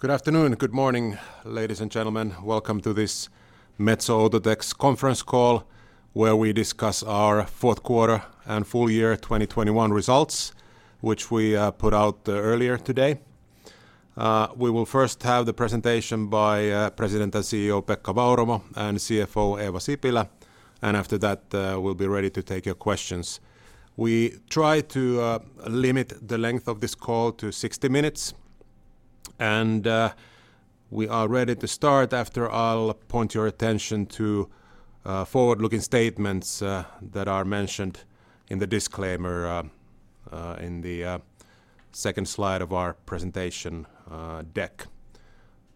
Good afternoon. Good morning, ladies and gentlemen. Welcome to this Metso Outotec conference call, where we discuss our fourth quarter and full year 2021 results, which we put out earlier today. We will first have the presentation by President and CEO Pekka Vauramo and CFO Eeva Sipilä, and after that, we'll be ready to take your questions. We try to limit the length of this call to 60 minutes, and we are ready to start after I'll point your attention to forward-looking statements that are mentioned in the disclaimer in the second slide of our presentation deck.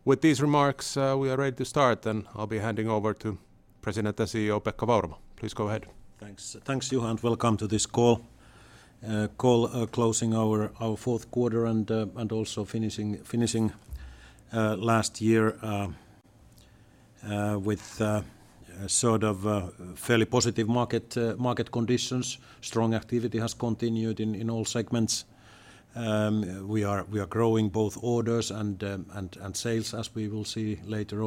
With these remarks, we are ready to start, and I'll be handing over to President and CEO Pekka Vauramo. Please go ahead. Thanks. Thanks, Juhana, and welcome to this call. Closing our fourth quarter and also finishing last year with sort of fairly positive market conditions. Strong activity has continued in all segments. We are growing both orders and sales, as we will see later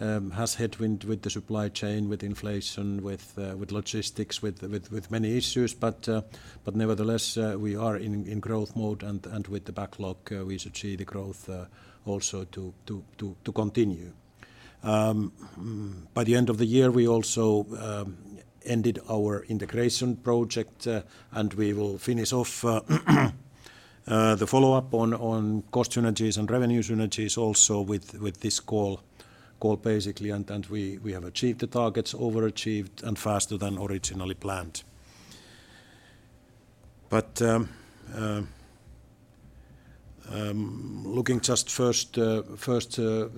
on in the presentation. We still have headwind, as I guess everyone else has headwind with the supply chain, with inflation, with logistics, with many issues. Nevertheless, we are in growth mode, and with the backlog, we should see the growth also to continue. By the end of the year, we also ended our integration project, and we will finish off the follow-up on cost synergies and revenue synergies also with this call basically. We have achieved the targets, overachieved, and faster than originally planned. Looking just first at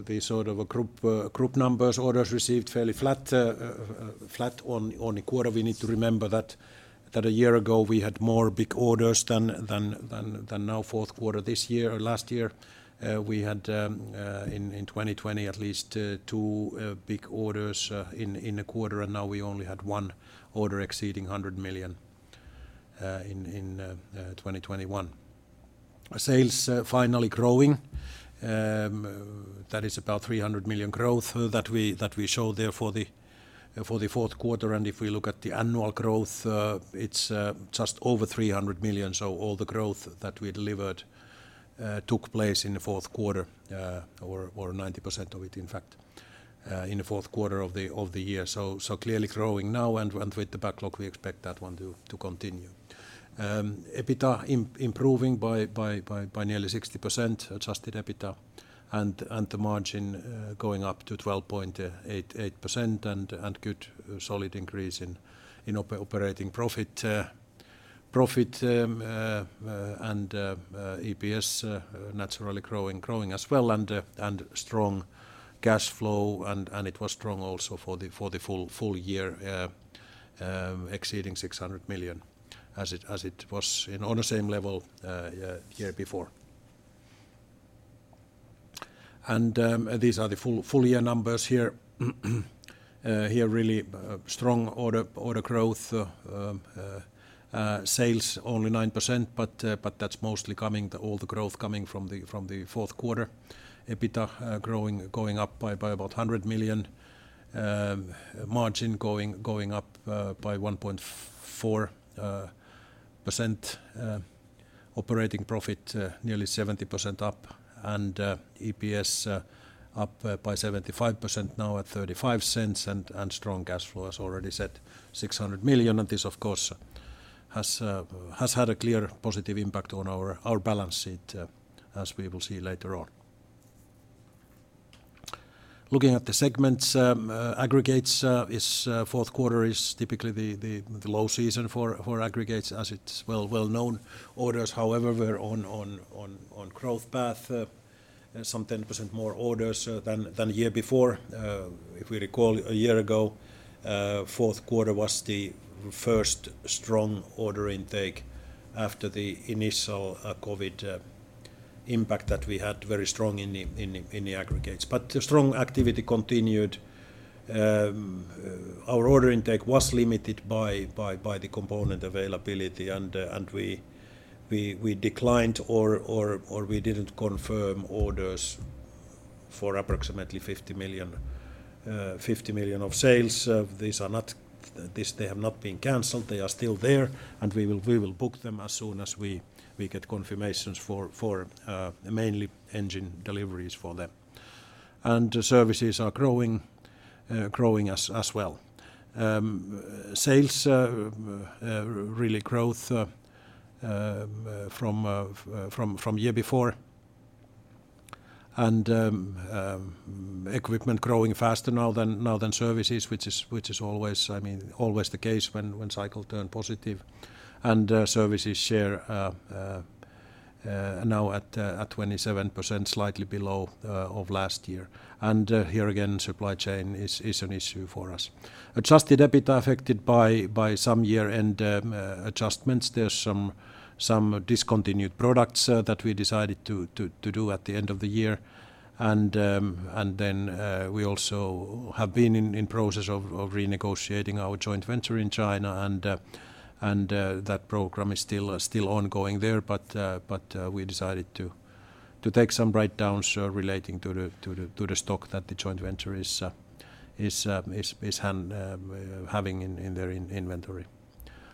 the sort of group numbers, orders received fairly flat on the quarter. We need to remember that a year ago, we had more big orders than now fourth quarter this year or last year. We had in 2020 at least two big orders in a quarter, and now we only had one order exceeding 100 million in 2021. Sales finally growing. That is about 300 million growth that we show there for the fourth quarter. If we look at the annual growth, it's just over 300 million, so all the growth that we delivered took place in the fourth quarter, or 90% of it, in fact, in the fourth quarter of the year. Clearly growing now and with the backlog, we expect that one to continue. EBITDA improving by nearly 60%, adjusted EBITDA, and the margin going up to 12.8% and good solid increase in operating profit and EPS naturally growing as well and strong cash flow and it was strong also for the full year, exceeding 600 million as it was on the same level year before. These are the full year numbers here. Here really strong order growth, sales only 9%, but that's mostly coming, all the growth coming from the fourth quarter. EBITDA growing, going up by about 100 million. Margin going up by 1.4%. Operating profit nearly 70% up. EPS up by 75%, now at 0.35. Strong cash flow, as already said, 600 million. This of course has had a clear positive impact on our balance sheet, as we will see later on. Looking at the segments, Aggregates fourth quarter is typically the low season for Aggregates, as it's well known. Orders, however, were on growth path, some 10% more orders than a year before. If we recall a year ago, fourth quarter was the first strong order intake after the initial COVID impact that we had very strong in the aggregates. The strong activity continued. Our order intake was limited by the component availability, and we declined or we didn't confirm orders for approximately 50 million of sales. These have not been canceled. They are still there, and we will book them as soon as we get confirmations for mainly engine deliveries for them. Services are growing as well. Sales really growth from year before. Equipment growing faster now than services, which is always, I mean, always the case when cycle turn positive. Services share now at 27%, slightly below of last year. Here again, supply chain is an issue for us. Adjusted EBITDA affected by some year-end adjustments. There's some discontinued products that we decided to do at the end of the year. Then we also have been in process of renegotiating our joint venture in China and that program is still ongoing there. We decided to take some write-downs relating to the stock that the joint venture is having in their inventory out there, a sort of low season, but overall strong performance from aggregates for the full year and best year ever for our aggregates business. In the minerals side, orders did grow on strong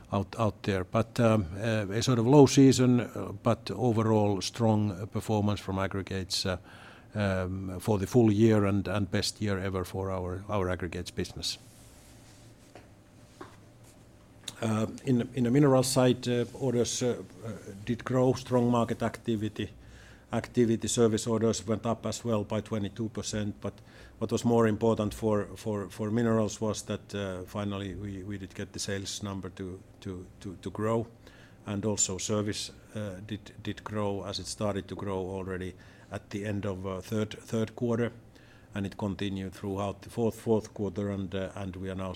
market activity. Service orders went up as well by 22%. What was more important for minerals was that finally we did get the sales number to grow and also services did grow as it started to grow already at the end of third quarter, and it continued throughout the fourth quarter and we are now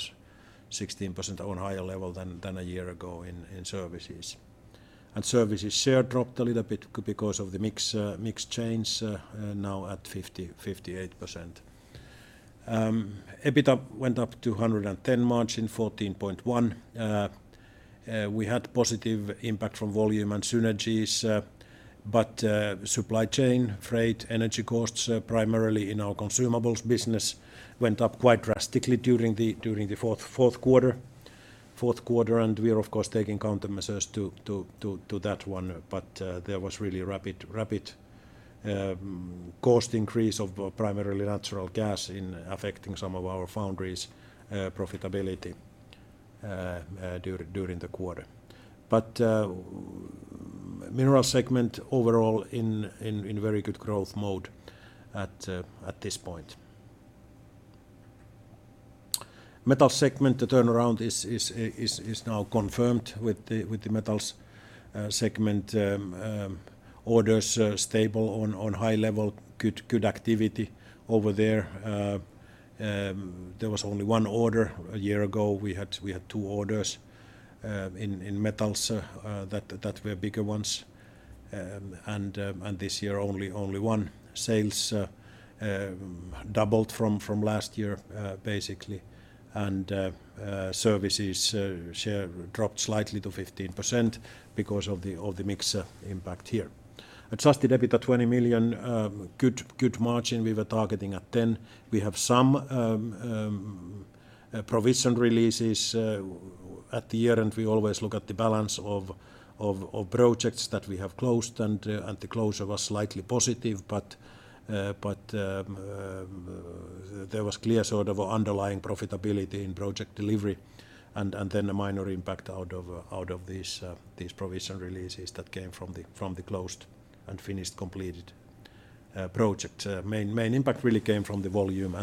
16% higher level than a year ago in services. Services share dropped a little bit because of the mix change now at 58%. EBITDA went up to 110 margin, 14.1%. We had positive impact from volume and synergies, but supply chain, freight, energy costs primarily in our consumables business went up quite drastically during the fourth quarter, and we are of course taking countermeasures to that one. There was really rapid cost increase of primarily natural gas affecting some of our foundries' profitability during the quarter. Minerals segment overall in very good growth mode at this point. Metals segment, the turnaround is now confirmed with the Metals segment. Orders stable on high level. Good activity over there. There was only one order. A year ago, we had two orders in metals that were bigger ones. This year, only one. Sales doubled from last year, basically. Services share dropped slightly to 15% because of the mix impact here. Adjusted EBITDA 20 million. Good margin we were targeting at 10%. We have some provision releases at the year, and we always look at the balance of projects that we have closed and the closure was slightly positive. There was clear sort of underlying profitability in project delivery and then a minor impact out of these provision releases that came from the closed and finished, completed project. Main impact really came from the volume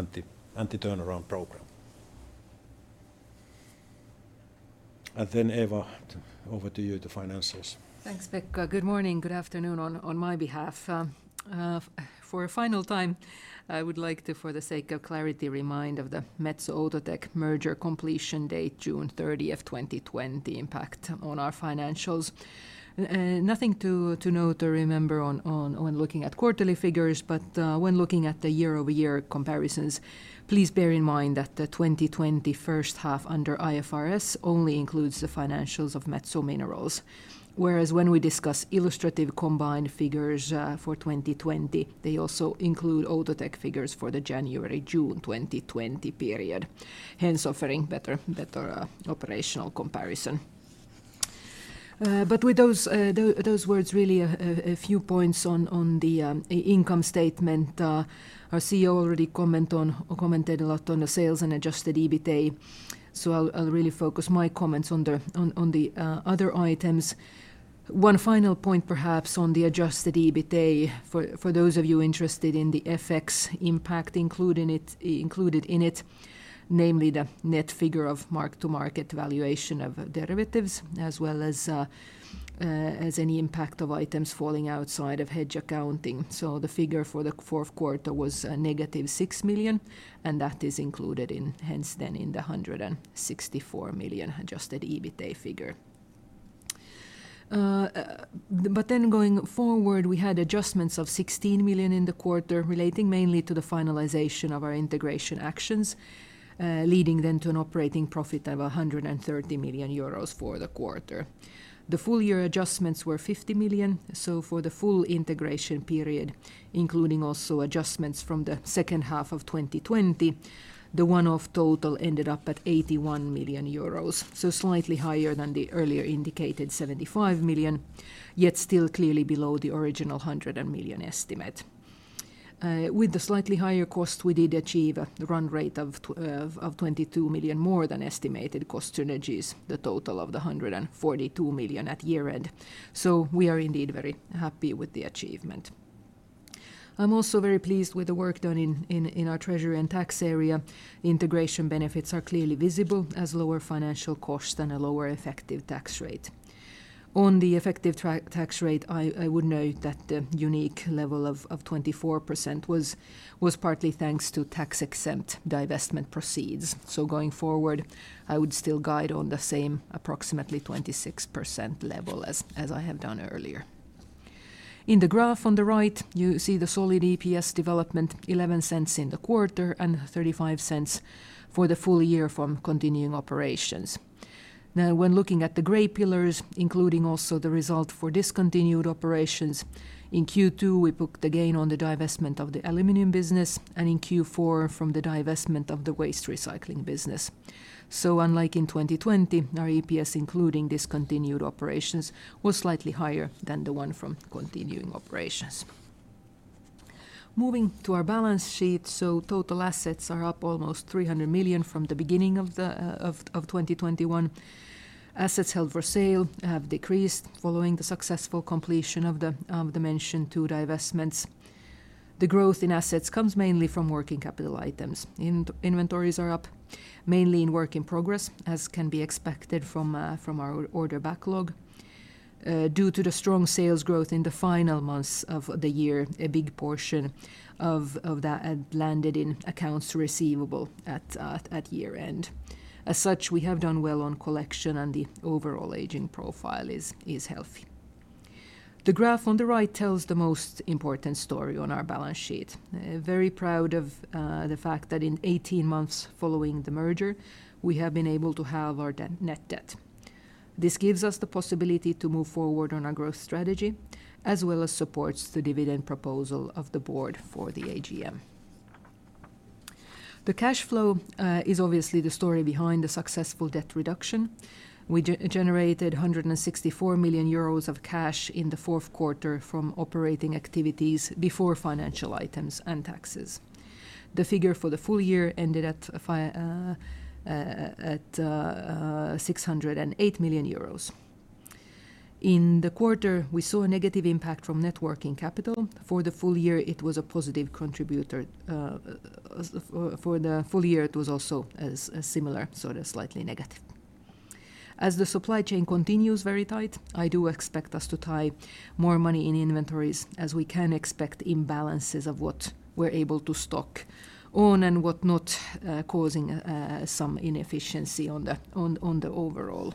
and the turnaround program. Then Eeva, over to you, the financials. Thanks, Pekka. Good morning. Good afternoon on my behalf. For a final time, I would like to, for the sake of clarity, remind of the Metso Outotec merger completion date, June 30, 2020 impact on our financials. Nothing to note or remember on looking at quarterly figures. When looking at the year-over-year comparisons, please bear in mind that the 2020 first half under IFRS only includes the financials of Metso Minerals. Whereas when we discuss illustrative combined figures for 2020, they also include Outotec figures for the January-June 2020 period, hence offering better operational comparison. With those words, really a few points on the income statement. Our CEO already comment on or commented a lot on the sales and adjusted EBITA, so I'll really focus my comments on the other items. One final point perhaps on the adjusted EBITA for those of you interested in the FX impact included in it, namely the net figure of mark-to-market valuation of derivatives, as well as any impact of items falling outside of hedge accounting. The figure for the fourth quarter was a negative 6 million, and that is included, hence, in the 164 million adjusted EBITA figure. Going forward, we had adjustments of 16 million in the quarter relating mainly to the finalization of our integration actions, leading to an operating profit of 130 million euros for the quarter. The full year adjustments were 50 million. For the full integration period, including also adjustments from the second half of 2020, the one-off total ended up at 81 million euros, slightly higher than the earlier indicated 75 million, yet still clearly below the original 100 million estimate. With the slightly higher cost, we did achieve a run rate of 22 million more than estimated cost synergies, the total of 142 million at year-end. We are indeed very happy with the achievement. I'm also very pleased with the work done in our treasury and tax area. Integration benefits are clearly visible as lower financial cost and a lower effective tax rate. On the effective tax rate, I would note that the unique level of 24% was partly thanks to tax-exempt divestment proceeds. Going forward, I would still guide on the same approximately 26% level as I have done earlier. In the graph on the right, you see the solid EPS development, 0.11 in the quarter and 0.35 for the full year from continuing operations. Now, when looking at the gray pillars, including also the result for discontinued operations, in Q2, we booked the gain on the divestment of the aluminum business, and in Q4 from the divestment of the waste recycling business. Unlike in 2020, our EPS including discontinued operations was slightly higher than the one from continuing operations. Moving to our balance sheet, total assets are up almost 300 million from the beginning of 2021. Assets held for sale have decreased following the successful completion of the mentioned two divestments. The growth in assets comes mainly from working capital items. Inventories are up mainly in work in progress, as can be expected from our order backlog. Due to the strong sales growth in the final months of the year, a big portion of that had landed in accounts receivable at year-end. As such, we have done well on collection, and the overall aging profile is healthy. The graph on the right tells the most important story on our balance sheet. Very proud of the fact that in 18 months following the merger, we have been able to halve our net debt. This gives us the possibility to move forward on our growth strategy as well as supports the dividend proposal of the board for the AGM. The cash flow is obviously the story behind the successful debt reduction. We generated 164 million euros of cash in the fourth quarter from operating activities before financial items and taxes. The figure for the full year ended at 608 million euros. In the quarter, we saw a negative impact from net working capital. For the full year, it was a positive contributor. For the full year, it was also similar, sort of slightly negative. As the supply chain continues very tight, I do expect us to tie more money in inventories as we can expect imbalances of what we're able to stock on and what not, causing some inefficiency on the overall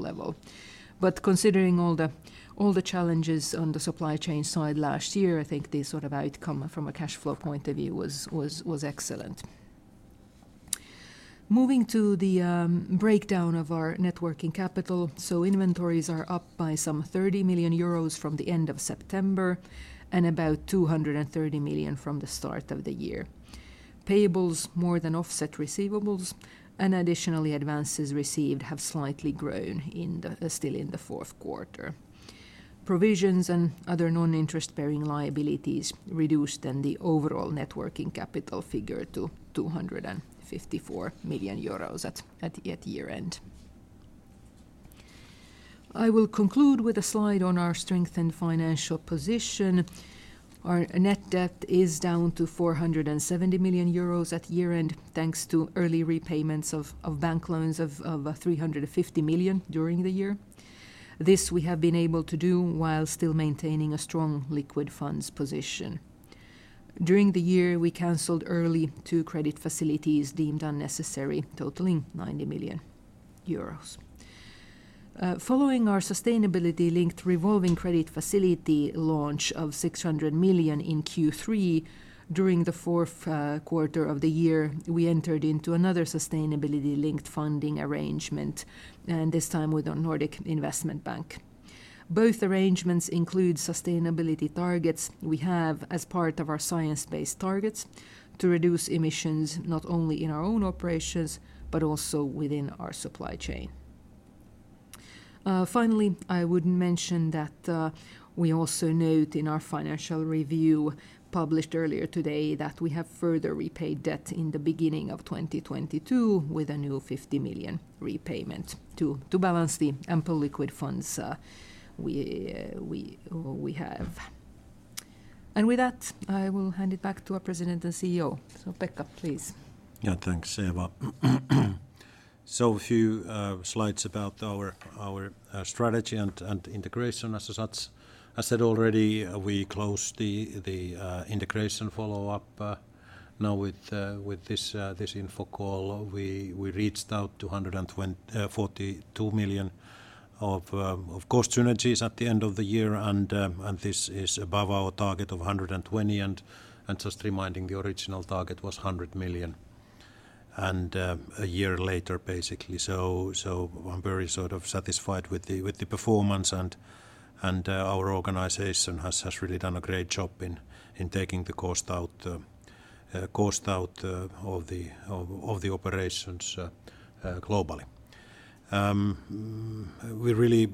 level. Considering all the challenges on the supply chain side last year, I think the sort of outcome from a cash flow point of view was excellent. Moving to the breakdown of our net working capital. Inventories are up by some 30 million euros from the end of September and about 230 million from the start of the year. Payables more than offset receivables, and additionally, advances received have slightly grown in the fourth quarter. Provisions and other non-interest-bearing liabilities reduced the overall net working capital figure to EUR 254 million at year-end. I will conclude with a slide on our strengthened financial position. Our net debt is down to 470 million euros at year-end, thanks to early repayments of bank loans of 350 million during the year. This we have been able to do while still maintaining a strong liquid funds position. During the year, we canceled early two credit facilities deemed unnecessary, totaling 90 million euros. Following our sustainability-linked revolving credit facility launch of 600 million in Q3, during the fourth quarter of the year, we entered into another sustainability-linked funding arrangement, and this time with the Nordic Investment Bank. Both arrangements include sustainability targets we have as part of our science-based targets to reduce emissions, not only in our own operations but also within our supply chain. Finally, I would mention that we also note in our financial review published earlier today that we have further repaid debt in the beginning of 2022 with a new 50 million repayment to balance the ample liquid funds we have. With that, I will hand it back to our President and CEO. Pekka, please. Yeah. Thanks, Eeva. A few slides about our strategy and integration as such. I said already we closed the integration follow-up now with this info call. We reached 142 million of cost synergies at the end of the year, and this is above our target of 120 million. Just reminding the original target was 100 million, and a year later, basically. I'm very sort of satisfied with the performance, and our organization has really done a great job in taking the cost out of the operations globally. We really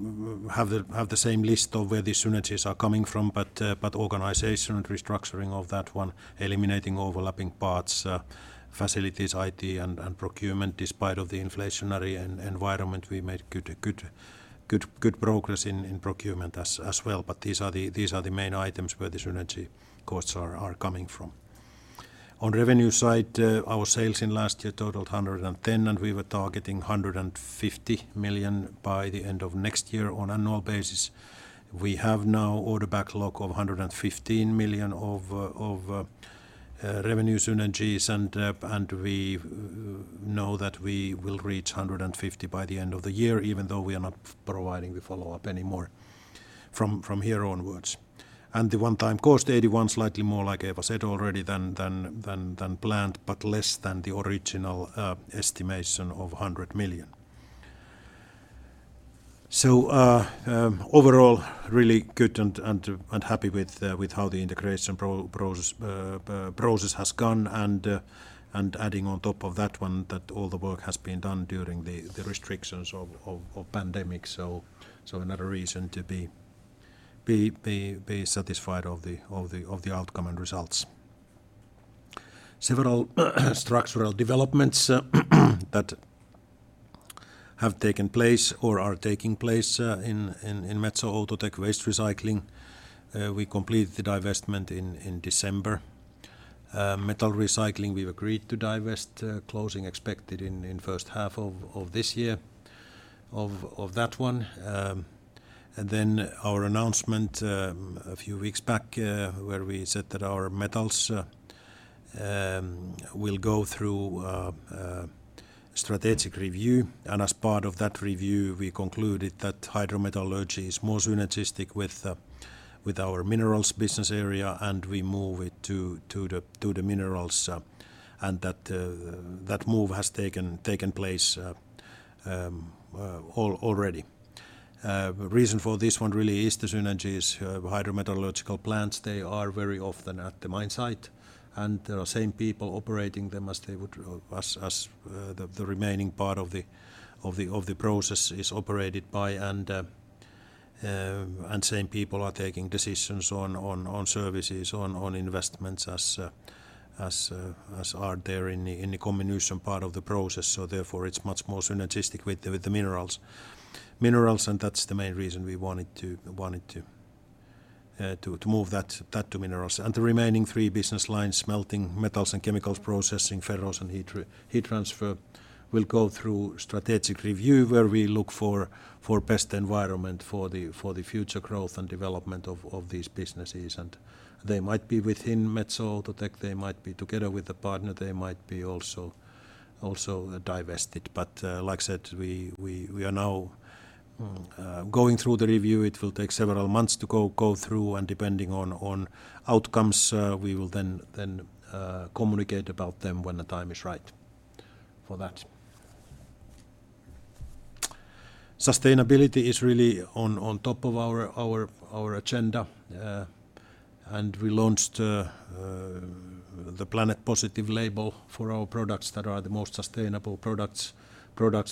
have the same list of where the synergies are coming from, but organization restructuring of that one, eliminating overlapping parts, facilities, IT and procurement. Despite the inflationary environment, we made good progress in procurement as well. These are the main items where the synergy costs are coming from. On revenue side, our sales in last year totaled 110 million, and we were targeting 150 million by the end of next year on annual basis. We have now order backlog of 115 million of revenue synergies, and we know that we will reach 150 million by the end of the year, even though we are not providing the follow-up anymore from here onwards. The one-time cost, 81 million, slightly more, like Eeva said already, than planned, but less than the original estimation of 100 million. Overall, really good and happy with how the integration process has gone, and adding on top of that one that all the work has been done during the restrictions of pandemic. Another reason to be satisfied of the outcome and results. Several structural developments that have taken place or are taking place in Metso Outotec waste recycling. We completed the divestment in December. Metal recycling, we've agreed to divest, closing expected in first half of this year of that one. Our announcement a few weeks back, where we said that our Metals will go through strategic review. As part of that review, we concluded that hydrometallurgy is more synergistic with our Minerals business area, and we move it to the minerals. that move has taken place already. the reason for this one really is the synergies. Hydrometallurgical plants, they are very often at the mine site, and there are same people operating them as they would the remaining part of the process is operated by. Same people are taking decisions on services, on investments as are there in the combination part of the process. Therefore, it's much more synergistic with the minerals, and that's the main reason we wanted to move that to minerals. The remaining three business lines, smelting, metals and chemicals processing, ferros and heat transfer, will go through strategic review, where we look for best environment for the future growth and development of these businesses. They might be within Metso Outotec, they might be together with a partner, they might be also divested. Like I said, we are now going through the review. It will take several months to go through, and depending on outcomes, we will then communicate about them when the time is right for that. Sustainability is really on top of our agenda, and we launched the Planet Positive label for our products that are the most sustainable products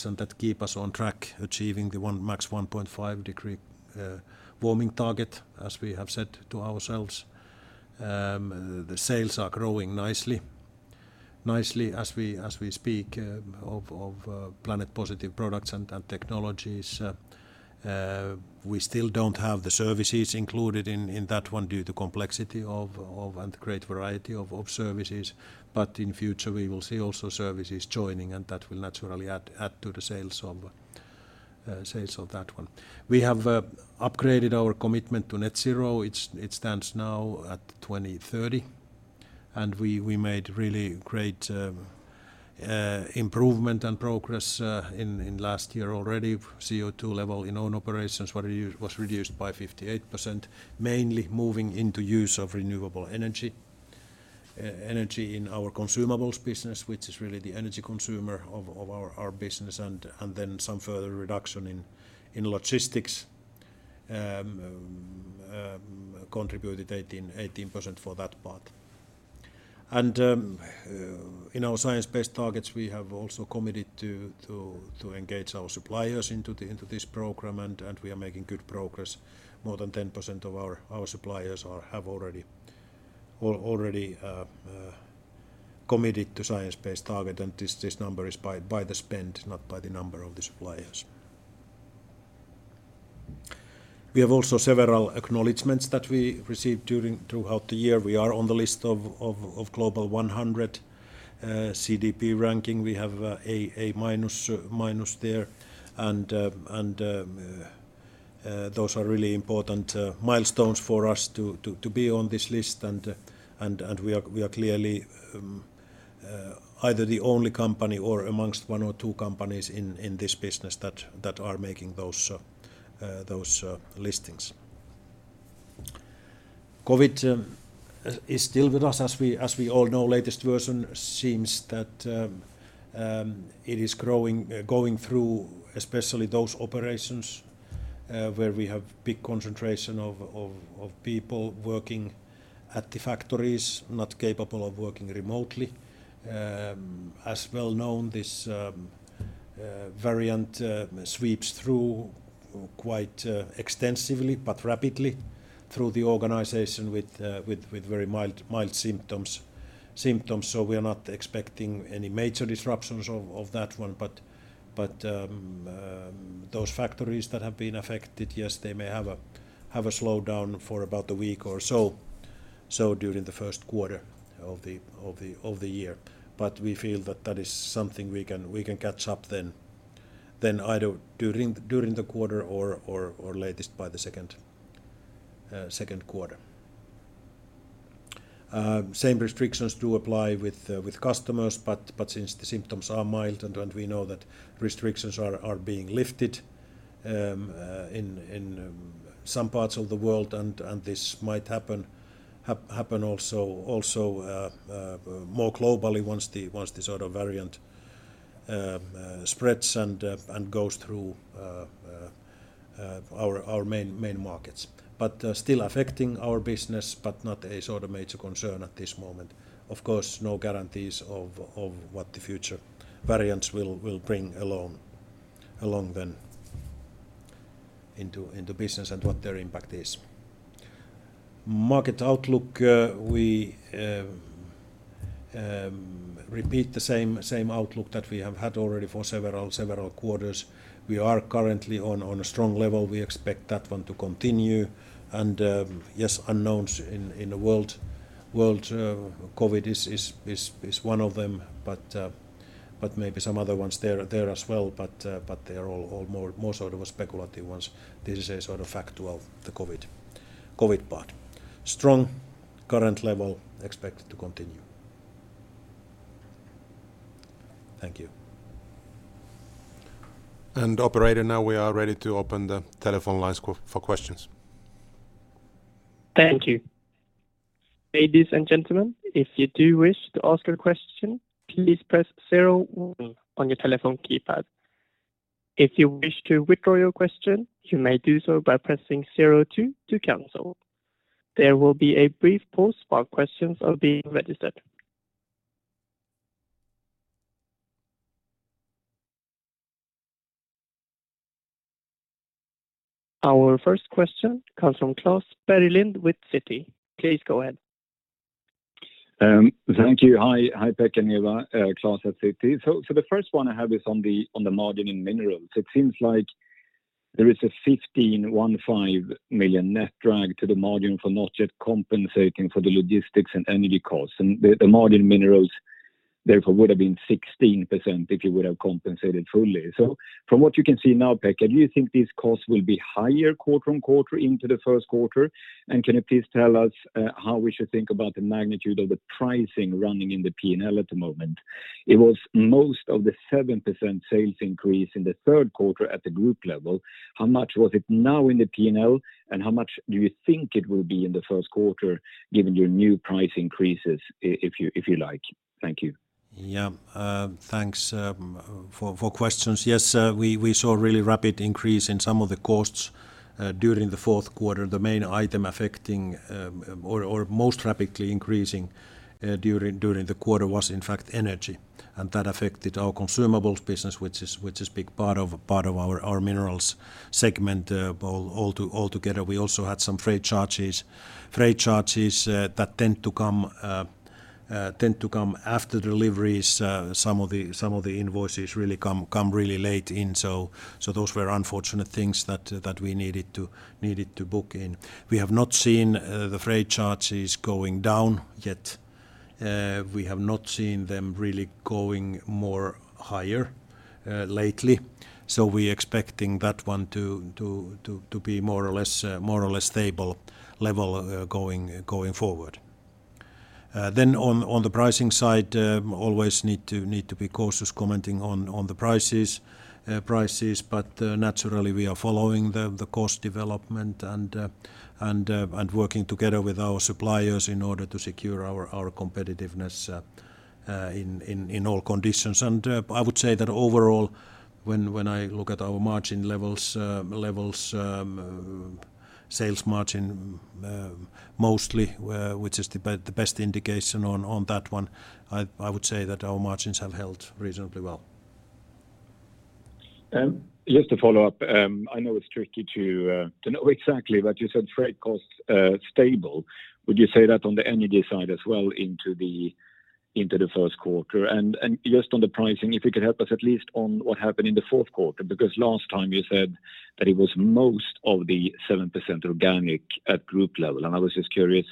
and that keep us on track achieving the 1.5-degree warming target, as we have set to ourselves. The sales are growing nicely as we speak of planet positive products and technologies. We still don't have the services included in that one due to complexity of and great variety of services. In future, we will see also services joining, and that will naturally add to the sales of that one. We have upgraded our commitment to net zero. It stands now at 2030, and we made really great improvement and progress in last year already. CO2 level in own operations was reduced by 58%, mainly moving into use of renewable energy in our consumables business, which is really the energy consumer of our business. Then some further reduction in logistics contributed 18% for that part. In our science-based targets, we have also committed to engage our suppliers into this program, and we are making good progress. More than 10% of our suppliers are already committed to science-based target, and this number is by the spend, not by the number of the suppliers. We have also several acknowledgments that we received throughout the year. We are on the list of Global 100 CDP ranking. We have A-minus there. Those are really important milestones for us to be on this list. We are clearly either the only company or amongst one or two companies in this business that are making those listings. COVID is still with us, as we all know. Latest version seems that it is going through especially those operations where we have big concentration of people working at the factories not capable of working remotely. As well known, this variant sweeps through strong level. We expect that one to continue. Yes, unknowns in the world, COVID is one of them, but maybe some other ones there as well, but they are all more sort of speculative ones. This is a sort of factual, the COVID part. Strong current level expected to continue. Thank you. Operator, now we are ready to open the telephone lines for questions. Thank you. Our first question comes from Klas Bergelind with Citi. Please go ahead. Thank you. Hi. Hi, Pekka and Eeva. Klas at Citi. The first one I have is on the margin in Minerals. It seems like there is a 15 million net drag to the margin for not yet compensating for the logistics and energy costs. The Minerals margin, therefore, would have been 16% if you would have compensated fully. From what you can see now, Pekka, do you think these costs will be higher quarter-on-quarter into the first quarter? Can you please tell us how we should think about the magnitude of the pricing running in the P&L at the moment? It was most of the 7% sales increase in the third quarter at the group level. How much was it now in the P&L, and how much do you think it will be in the first quarter given your new price increases if you like? Thank you. Yeah. Thanks for questions. Yes, we saw a really rapid increase in some of the costs during the fourth quarter. The main item affecting or most rapidly increasing during the quarter was in fact energy, and that affected our consumables business, which is big part of our minerals segment altogether. We also had some freight charges that tend to come after deliveries. Some of the invoices really come late in, so those were unfortunate things that we needed to book in. We have not seen the freight charges going down yet. We have not seen them really going more higher lately, so we're expecting that one to be more or less stable level going forward. Then on the pricing side, always need to be cautious commenting on the prices, but naturally, we are following the cost development and working together with our suppliers in order to secure our competitiveness in all conditions. I would say that overall, when I look at our margin levels, sales margin mostly, which is the best indication on that one, I would say that our margins have held reasonably well. Just to follow up, I know it's tricky to know exactly, but you said freight costs stable. Would you say that on the energy side as well into the first quarter? Just on the pricing, if you could help us at least on what happened in the fourth quarter, because last time you said that it was most of the 7% organic at group level. I was just curious,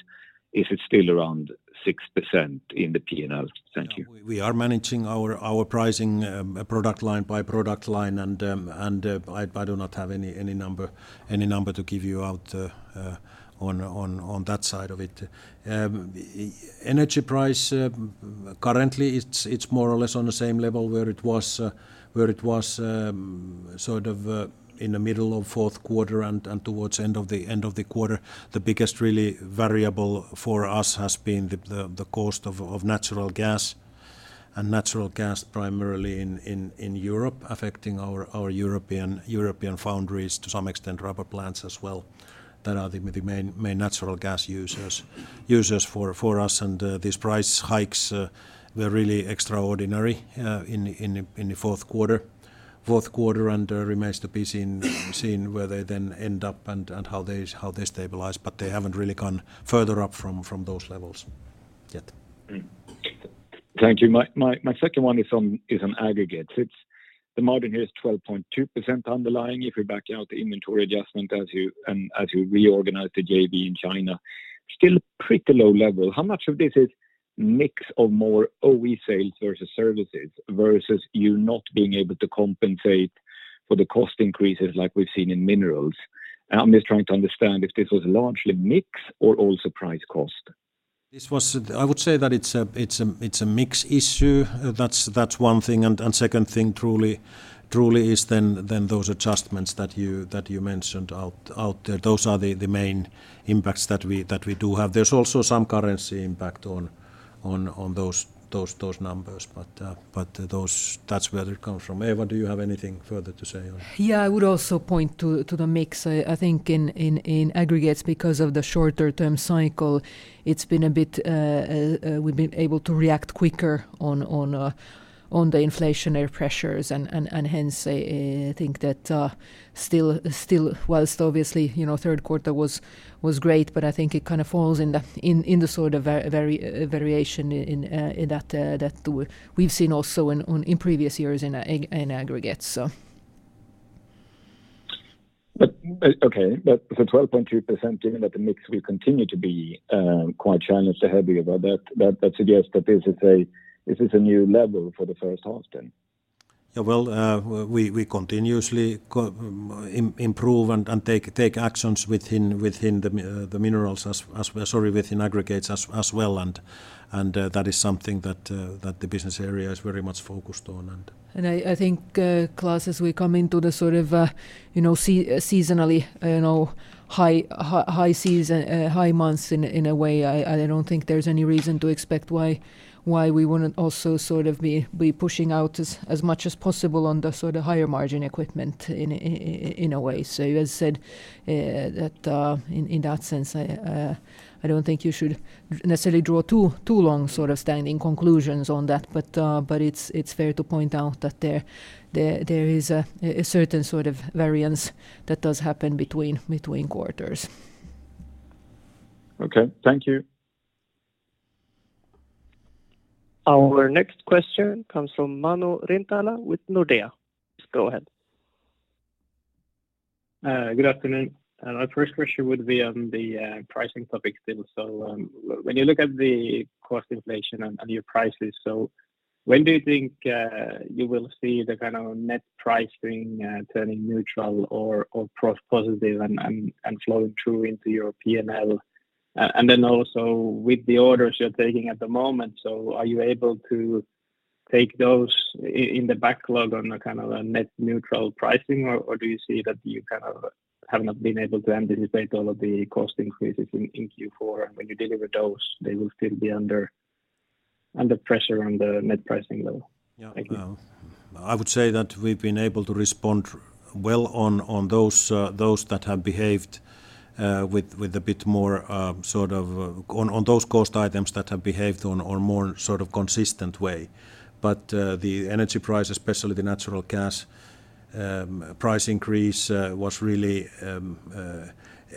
is it still around 6% in the P&L? Thank you. Yeah. We are managing our pricing, product line by product line, and I do not have any number to give out on that side of it. Energy price currently it's more or less on the same level where it was sort of in the middle of fourth quarter and towards end of the quarter. The biggest really variable for us has been the cost of natural gas, and natural gas primarily in Europe affecting our European foundries, to some extent rubber plants as well, that are the main natural gas users for us. These price hikes were really extraordinary in the fourth quarter and remains to be seen where they then end up and how they stabilize, but they haven't really gone further up from those levels yet. Mm-hmm. Thank you. My second one is on aggregates. It's the margin here is 12.2% underlying if you back out the inventory adjustment as you reorganize the JV in China. Still pretty low level. How much of this is mix of more OE sales versus services versus you not being able to compensate for the cost increases like we've seen in minerals. I'm just trying to understand if this was largely mix or also price cost. I would say that it's a mix issue. That's one thing. Second thing truly is then those adjustments that you mentioned out there. Those are the main impacts that we do have. There's also some currency impact on those numbers. That's where it comes from. Eeva, do you have anything further to say on? Yeah, I would also point to the mix. I think in aggregates because of the shorter term cycle, it's been a bit, we've been able to react quicker on the inflationary pressures and hence I think that still whilst obviously, you know, third quarter was great, but I think it kind of falls in the sort of variation in that we've seen also in previous years in aggregates, so. Okay. For 12.2%, given that the mix will continue to be quite challenged ahead of you, that suggests that this is a new level for the first half then. Yeah, well, we continuously improve and take actions, sorry, within aggregates as well. That is something that the business area is very much focused on and I think, Klas, as we come into the sort of, you know, seasonally, you know, high season, high months in a way, I don't think there's any reason to expect why we wouldn't also sort of be pushing out as much as possible on the sort of higher margin equipment in a way. So you have said, that, in that sense, I don't think you should necessarily draw too long sort of standing conclusions on that. But it's fair to point out that there is a certain sort of variance that does happen between quarters. Okay. Thank you. Our next question comes from Manu Rimpelä with Nordea. Please go ahead. Good afternoon. Our first question would be on the pricing topic still. When you look at the cost inflation and your prices, when do you think you will see the kind of net pricing turning neutral or pro-positive and flowing through into your P&L? Then also with the orders you're taking at the moment, are you able to take those in the backlog on a kind of a net neutral pricing or do you see that you kind of have not been able to anticipate all of the cost increases in Q4? When you deliver those, they will still be under pressure on the net pricing level. Yeah. Thank you. I would say that we've been able to respond well on those that have behaved with a bit more sort of on those cost items that have behaved on a more sort of consistent way. The energy price, especially the natural gas price increase, was really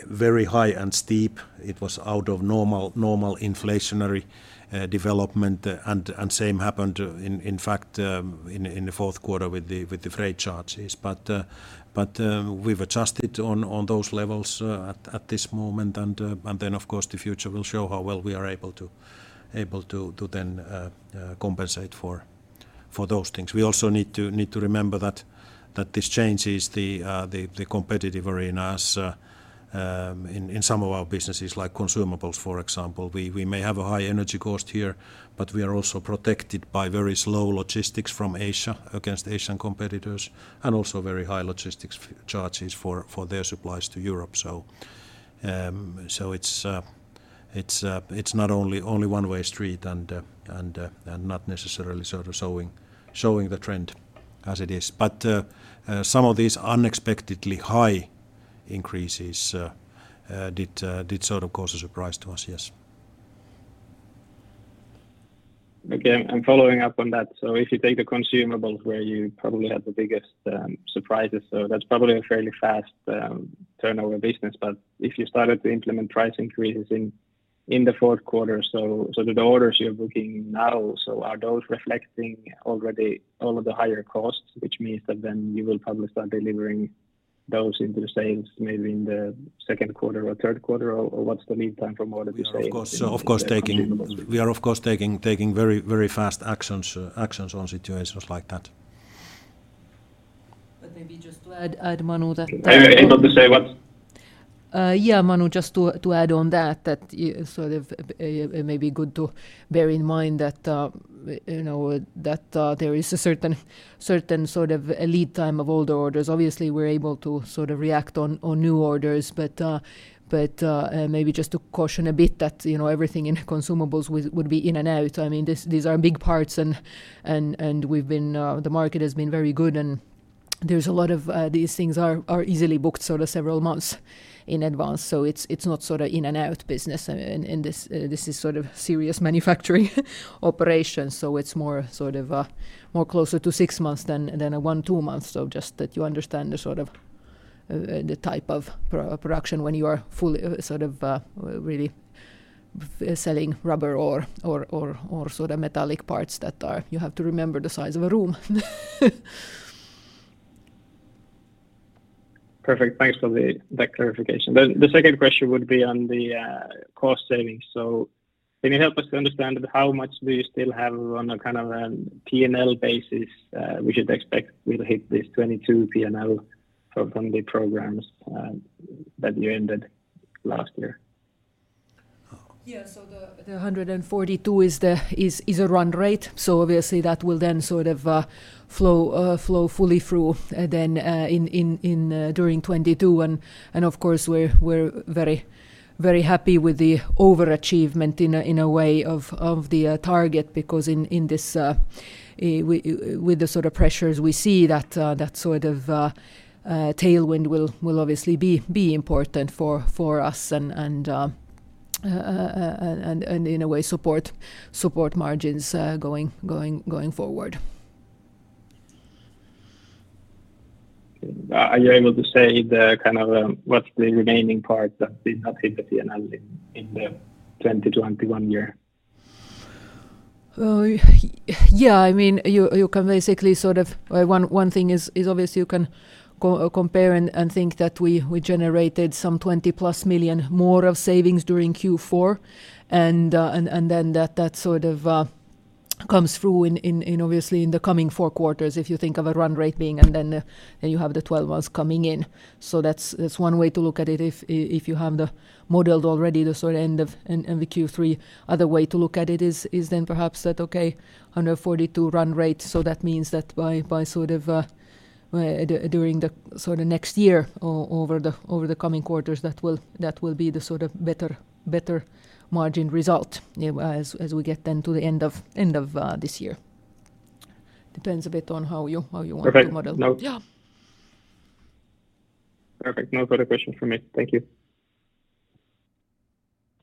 very high and steep. It was out of normal inflationary development. Same happened in fact in the fourth quarter with the freight charges. We've adjusted on those levels at this moment. Then of course, the future will show how well we are able to to then compensate for those things. We also need to remember that this changes the competitive arena as in some of our businesses, like consumables, for example. We may have a high energy cost here, but we are also protected by very slow logistics from Asia against Asian competitors and also very high logistics charges for their supplies to Europe. It's not only one-way street and not necessarily sort of showing the trend as it is. Some of these unexpectedly high increases did sort of cause a surprise to us, yes. Okay. I'm following up on that. If you take the consumables where you probably had the biggest surprises, that's probably a fairly fast turnover business. If you started to implement price increases in the fourth quarter, the orders you're booking now, are those reflecting already all of the higher costs, which means that then you will probably start delivering those into the sales maybe in the second quarter or third quarter, or what's the lead time from order to sale in consumables? We are of course taking very fast actions on situations like that. Maybe just to add Manu that I'm able to say what? Yeah, Manu, just to add on that, you sort of it may be good to bear in mind that, you know, there is a certain sort of a lead time of older orders. Obviously, we're able to sort of react on new orders. Maybe just to caution a bit that, you know, everything in consumables would be in and out. I mean, these are big parts and the market has been very good and there's a lot of these things are easily booked sort of several months in advance. It's not sort of in and out business. This is sort of serious manufacturing operation. It's more sort of more closer to six months than a 1-2 months. Just that you understand the type of pro-production when you are fully sort of really selling rubber or sort of metallic parts that are. You have to remember the size of a room. Perfect. Thanks for that clarification. The second question would be on the cost savings. Can you help us to understand how much do you still have on a kind of P&L basis we should expect will hit this 2022 P&L from the programs that you ended last year? Yeah. The 142 is a run rate, so obviously that will then sort of flow fully through then in during 2022. Of course, we're very happy with the overachievement in a way of the target because in this with the sort of pressures we see that sort of tailwind will obviously be important for us and in a way support margins going forward. Are you able to say the kind of, what's the remaining part that did not hit the P&L in the 2021 year? Yeah. I mean, you can basically sort of. One thing is obvious you can compare and think that we generated some 20-plus million more of savings during Q4 and then that sort of comes through in, obviously, in the coming four quarters if you think of a run rate being and then you have the 12 months coming in. That's one way to look at it if you have modeled already the sort of end in the Q3. Another way to look at it is then perhaps that, okay, 142 run rate, so that means that by sort of during the sort of next year over the coming quarters, that will be the sort of better margin result, yeah, as we get then to the end of this year. Depends a bit on how you want to model- Perfect. Yeah. Perfect. No further questions for me. Thank you.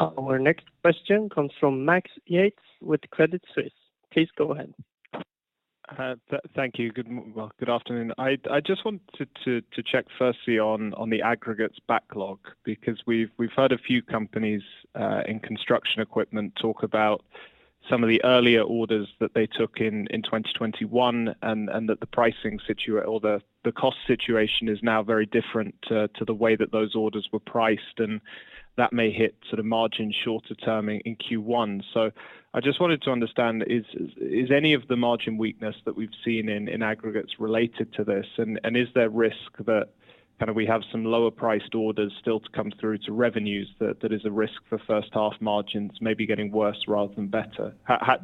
Our next question comes from Max Yates with Credit Suisse. Please go ahead. Thank you. Well, good afternoon. I just wanted to check firstly on the aggregates backlog, because we've heard a few companies in construction equipment talk about some of the earlier orders that they took in 2021 and that the cost situation is now very different to the way that those orders were priced, and that may hit sort of margin short term in Q1. I just wanted to understand, is any of the margin weakness that we've seen in aggregates related to this? Is there risk that kind of we have some lower priced orders still to come through to revenues that is a risk for first half margins maybe getting worse rather than better?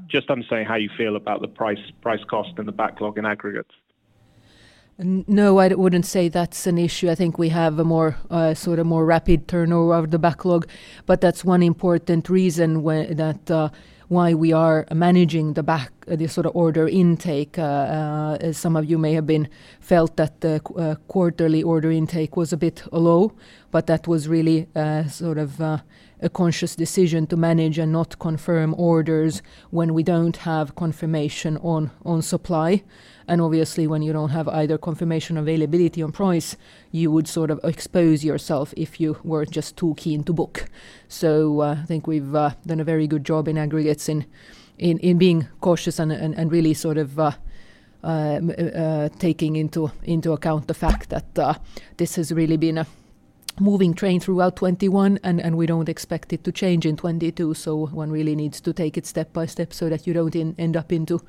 Just, I'm saying, how you feel about the price cost and the backlog in aggregates. No, I wouldn't say that's an issue. I think we have a more sort of more rapid turnover of the backlog, but that's one important reason why we are managing the backlog, sort of order intake. Some of you may have felt that the quarterly order intake was a bit low, but that was really sort of a conscious decision to manage and not confirm orders when we don't have confirmation on supply. Obviously, when you don't have either confirmation or availability on price, you would sort of expose yourself if you were just too keen to book. I think we've done a very good job in aggregates in being cautious and really sort of taking into account the fact that this has really been a moving train throughout 2021, and we don't expect it to change in 2022, so one really needs to take it step by step so that you don't end up into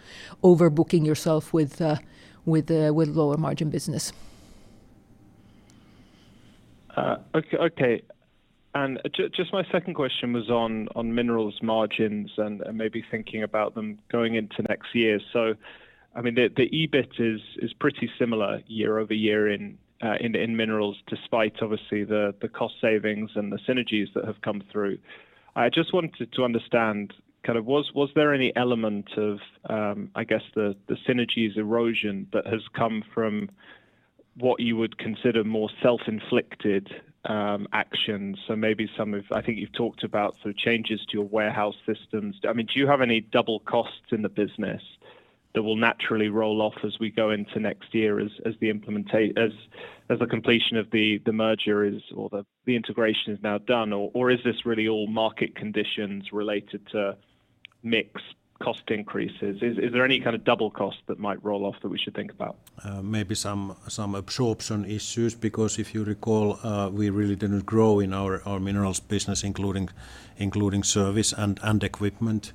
overbooking yourself with lower margin business. Just my second question was on minerals margins and maybe thinking about them going into next year. I mean, the EBIT is pretty similar year-over-year in minerals, despite obviously the cost savings and the synergies that have come through. I just wanted to understand, kind of, was there any element of the synergies erosion that has come from what you would consider more self-inflicted actions. Maybe I think you've talked about sort of changes to your warehouse systems. I mean, do you have any double costs in the business that will naturally roll off as we go into next year as the completion of the merger or the integration is now done? Is this really all market conditions related to mix cost increases? Is there any kind of double cost that might roll off that we should think about? Maybe some absorption issues, because if you recall, we really didn't grow in our minerals business, including service and equipment.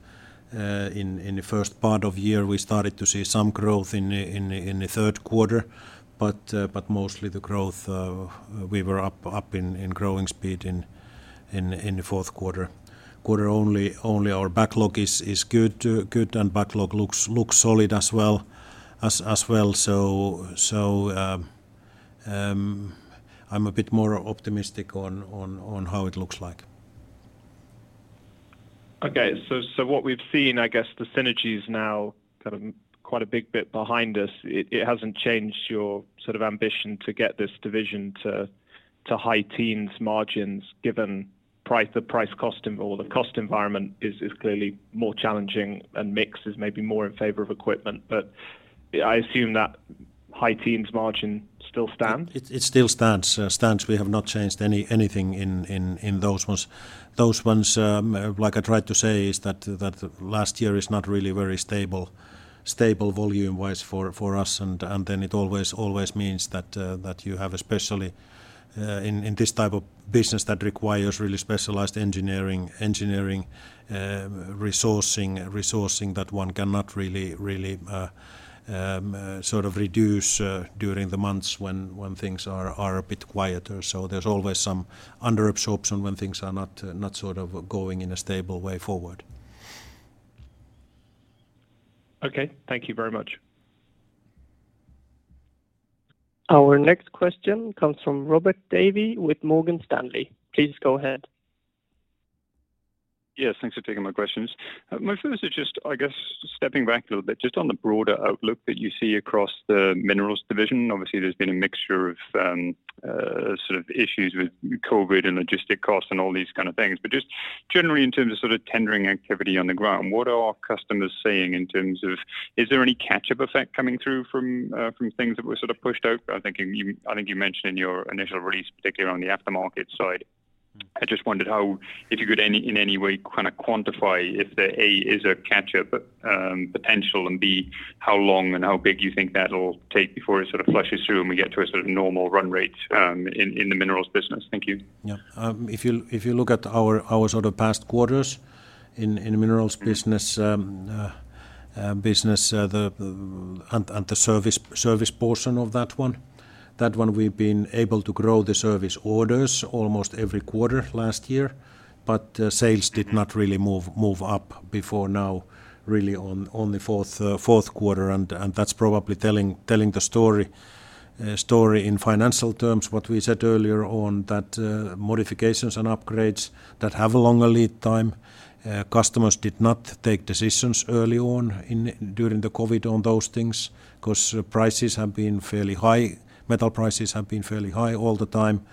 In the first part of year, we started to see some growth in the third quarter, but mostly the growth we were up in growing speed in the fourth quarter only. Our backlog is good and looks solid as well. I'm a bit more optimistic on how it looks like. Okay. What we've seen, I guess, the synergies now kind of quite a bit behind us. It hasn't changed your sort of ambition to get this division to high-teens margins given the cost environment is clearly more challenging and mix is maybe more in favor of equipment. I assume that High teens margin still stands? It still stands. We have not changed anything in those ones. Those ones, like I tried to say, is that last year is not really very stable volume wise for us. It always means that you have especially in this type of business that requires really specialized engineering resourcing that one cannot really sort of reduce during the months when things are a bit quieter. There's always some under absorption when things are not sort of going in a stable way forward. Okay. Thank you very much. Our next question comes from Robert Davis with Morgan Stanley. Please go ahead. Yes, thanks for taking my questions. My first is just, I guess, stepping back a little bit, just on the broader outlook that you see across the minerals division. Obviously, there's been a mixture of sort of issues with COVID and logistics costs and all these kind of things. But just generally in terms of sort of tendering activity on the ground, what are our customers saying in terms of is there any catch-up effect coming through from things that were sort of pushed out? I think you mentioned in your initial release, particularly on the aftermarket side. I just wondered how you could in any way kinda quantify if there, A, is a catch-up potential and, B, how long and how big you think that'll take before it sort of flushes through and we get to a sort of normal run rate in the minerals business. Thank you. Yeah. If you look at our sort of past quarters in Minerals business and the service portion of that one. That one we've been able to grow the service orders almost every quarter last year, but sales did not really move up before now really on the fourth quarter. That's probably telling the story in financial terms what we said earlier on that modifications and upgrades that have a longer lead time. Customers did not take decisions early on during the COVID on those things 'cause prices have been fairly high. Metal prices have been fairly high all the time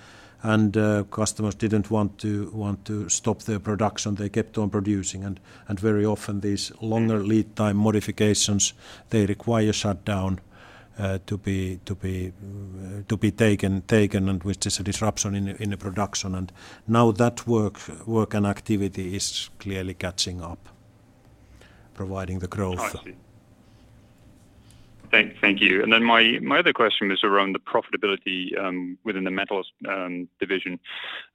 and customers didn't want to stop their production. They kept on producing. Very often these longer lead time modifications, they require shutdown, to be taken and with this disruption in the production. Now that work and activity is clearly catching up, providing the growth. I see. Thank you. My other question was around the profitability within the metals division.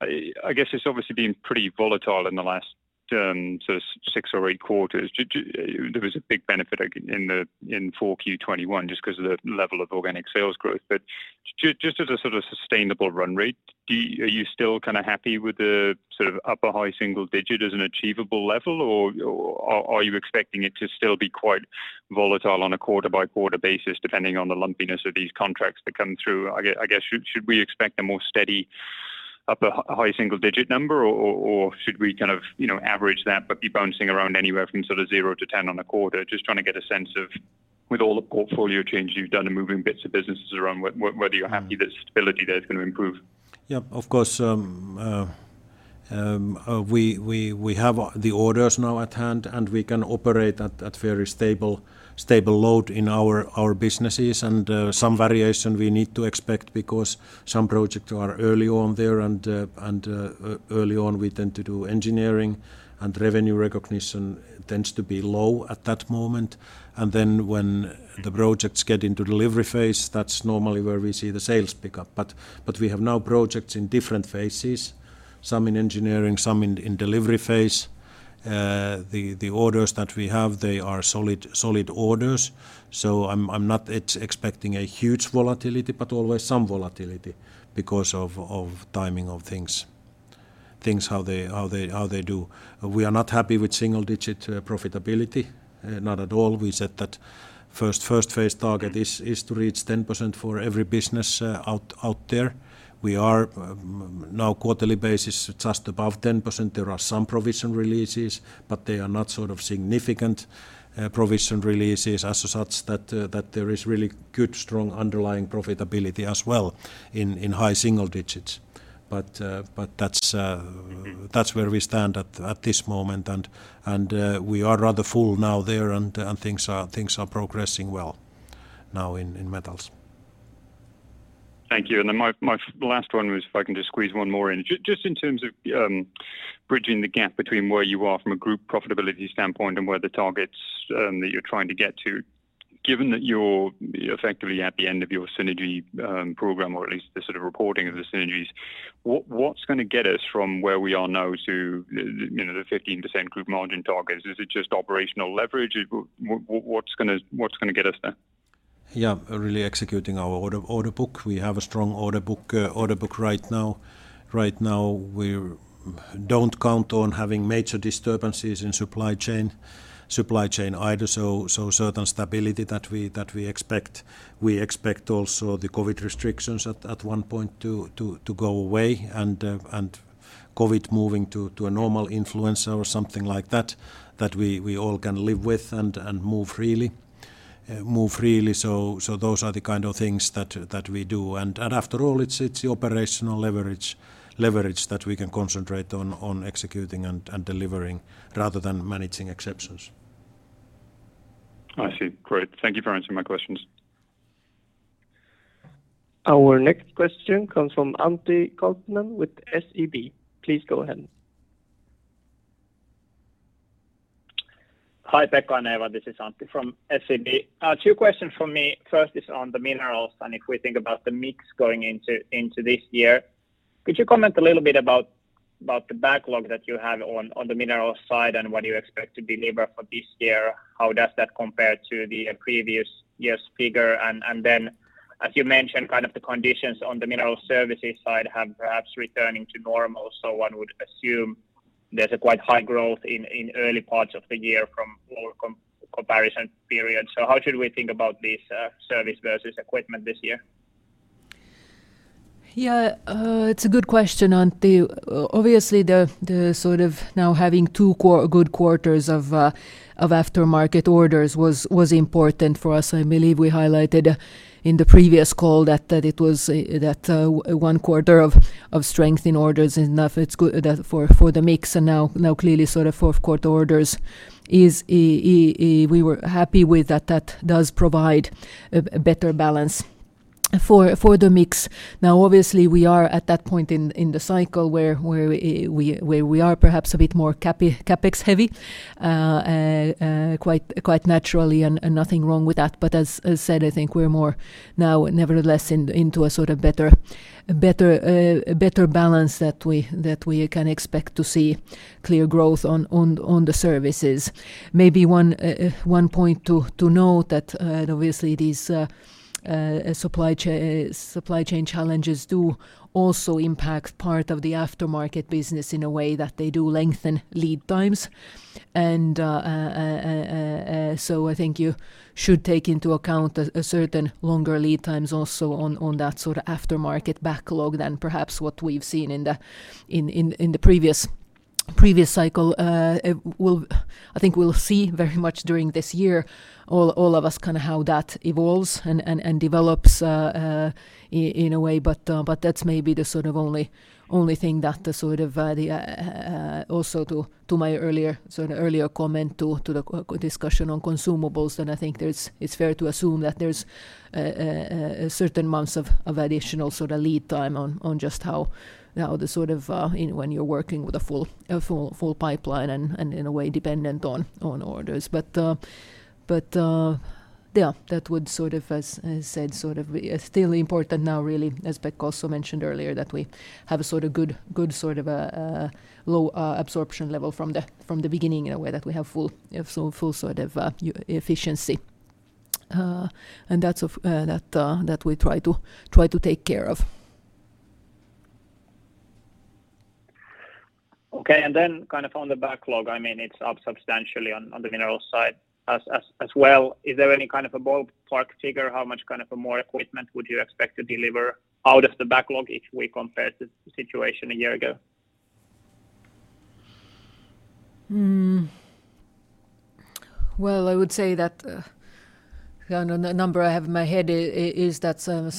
I guess it's obviously been pretty volatile in the last sort of six or eight quarters. There was a big benefit in Q4 2021 just because of the level of organic sales growth. But just as a sort of sustainable run rate, are you still kinda happy with the sort of upper high single digit as an achievable level, or are you expecting it to still be quite volatile on a quarter-by-quarter basis depending on the lumpiness of these contracts that come through? I guess, should we expect a more steady upper high single digit number, or should we kind of, you know, average that but be bouncing around anywhere from sort of 0%-10% on a quarter? Just trying to get a sense of with all the portfolio changes you've done and moving bits of businesses around, whether you're happy the stability there is gonna improve. Yeah. Of course, we have the orders now at hand, and we can operate at very stable load in our businesses. Some variation we need to expect because some projects are early on there and early on we tend to do engineering and revenue recognition tends to be low at that moment. Then when the projects get into delivery phase, that's normally where we see the sales pick up. We have now projects in different phases, some in engineering, some in delivery phase. The orders that we have, they are solid orders. I'm not expecting a huge volatility, but always some volatility because of timing of things how they do. We are not happy with single-digit profitability, not at all. We said that first phase target is to reach 10% for every business, out there. We are now quarterly basis just above 10%. There are some provision releases, but they are not sort of significant, provision releases as such that there is really good strong underlying profitability as well in high single digits. That's where we stand at this moment. We are rather far now there and things are progressing well now in metals. Thank you. My last one was if I can just squeeze one more in. Just in terms of bridging the gap between where you are from a group profitability standpoint and where the targets that you're trying to get to. Given that you're effectively at the end of your synergy program, or at least the sort of reporting of the synergies, what's gonna get us from where we are now to, you know, the 15% group margin target? Is it just operational leverage? What's gonna get us there? Yeah. Really executing our order book. We have a strong order book right now. Right now, we don't count on having major disturbances in supply chain either. Certain stability that we expect. We expect also the COVID restrictions at one point to go away and COVID moving to a normal influenza or something like that we all can live with and move freely. Those are the kind of things that we do. After all, it's operational leverage that we can concentrate on executing and delivering rather than managing exceptions. I see. Great. Thank you for answering my questions. Our next question comes from Antti Kansanen with SEB. Please go ahead. Hi, Pekka and Eeva, this is Antti from SEB. Two questions from me. First is on the minerals, and if we think about the mix going into this year, could you comment a little bit about the backlog that you have on the minerals side and what do you expect to deliver for this year? How does that compare to the previous year's figure? Then as you mentioned, kind of the conditions on the minerals services side have perhaps returning to normal. One would assume there's quite high growth in early parts of the year from lower comparison period. How should we think about this, service versus equipment this year? Yeah. It's a good question, Antti. Obviously, the sort of now having two good quarters of aftermarket orders was important for us. I believe we highlighted in the previous call that it was that one quarter of strength in orders is enough. It's good for the mix and now clearly sort of fourth quarter orders is even. We were happy with that. That does provide a better balance for the mix. Now, obviously, we are at that point in the cycle where we are perhaps a bit more CapEx heavy, quite naturally, and nothing wrong with that. As said, I think we're more now nevertheless into a sort of better balance that we can expect to see clear growth on the services. Maybe one point to note that obviously these supply chain challenges do also impact part of the aftermarket business in a way that they do lengthen lead times. So I think you should take into account a certain longer lead times also on that sort of aftermarket backlog than perhaps what we've seen in the previous cycle. I think we'll see very much during this year all of us kind of how that evolves and develops in a way. That's maybe the sort of only thing also to my earlier sort of earlier comment to the discussion on consumables. Then I think it's fair to assume that there's certain months of additional sort of lead time on just how when you're working with a full pipeline and in a way dependent on orders. Yeah, that would sort of, as said, sort of still important now really, as Pekka also mentioned earlier, that we have a sort of good sort of low absorption level from the beginning in a way that we have full sort of utilization efficiency, and that's what we try to take care of. Okay. Kind of on the backlog, I mean, it's up substantially on the minerals side as well. Is there any kind of a ballpark figure, how much kind of a more equipment would you expect to deliver out of the backlog if we compare to the situation a year ago? Well, I would say that the number I have in my head is that some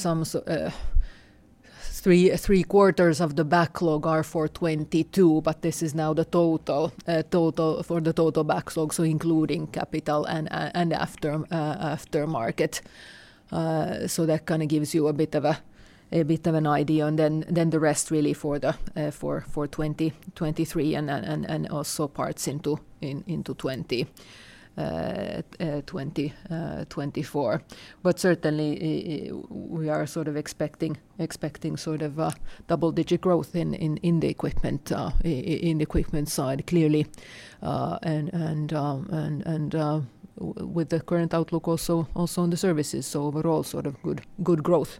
three quarters of the backlog are for 2022, but this is now the total for the backlog, so including capital and aftermarket. That kind of gives you a bit of an idea. Then the rest really for 2023 and also parts into 2024. Certainly we are sort of expecting sort of a double-digit growth in the equipment in the equipment side, clearly. With the current outlook also on the services. Overall, sort of good growth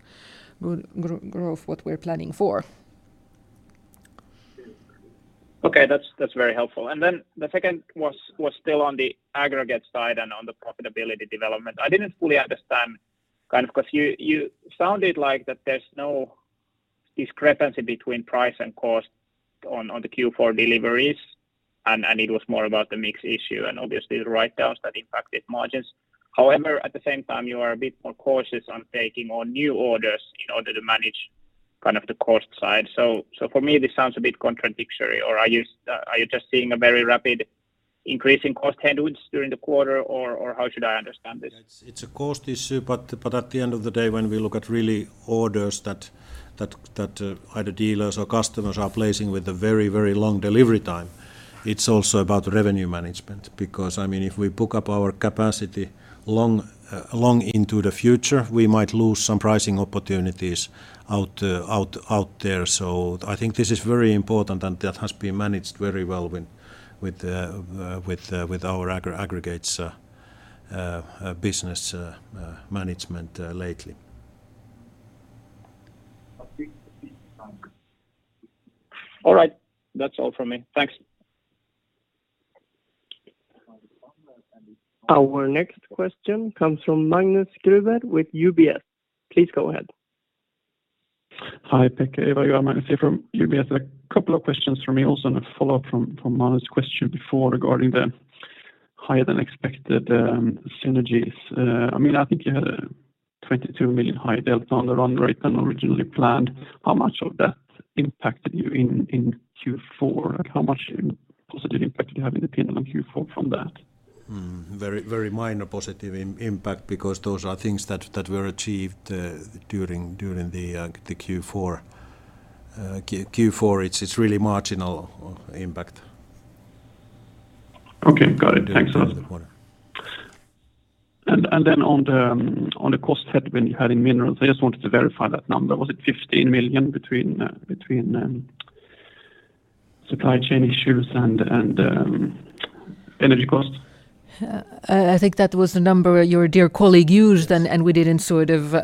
what we're planning for. Okay. That's very helpful. The second was still on the aggregate side and on the profitability development. I didn't fully understand kind of 'cause you sounded like that there's no discrepancy between price and cost on the Q4 deliveries, and it was more about the mix issue and obviously the write-downs that impacted margins. However, at the same time, you are a bit more cautious on taking on new orders in order to manage kind of the cost side. For me, this sounds a bit contradictory. Are you just seeing a very rapid increase in cost headwinds during the quarter, or how should I understand this? It's a cost issue, but at the end of the day, when we look at really orders that either dealers or customers are placing with a very long delivery time, it's also about revenue management. Because, I mean, if we book up our capacity long into the future, we might lose some pricing opportunities out there. I think this is very important, and that has been managed very well with our aggregates business management lately. All right. That's all from me. Thanks. Our next question comes from Magnus Kruber with UBS. Please go ahead. Hi, Pekka, Eva. Magnus here from UBS. A couple of questions from me also, and a follow-up from Manu's question before regarding the higher than expected synergies. I mean, I think you had a 22 million high delta on the run rate than originally planned. How much of that impacted you in Q4? Like, how much positive impact did you have in the P&L in Q4 from that? Very minor positive impact because those are things that were achieved during the Q4. It's really marginal impact. Okay. Got it. Thanks a lot. During the quarter. On the cost headwind you had in minerals, I just wanted to verify that number. Was it 15 million between supply chain issues and energy costs? I think that was the number your dear colleague used. Yes We didn't sort of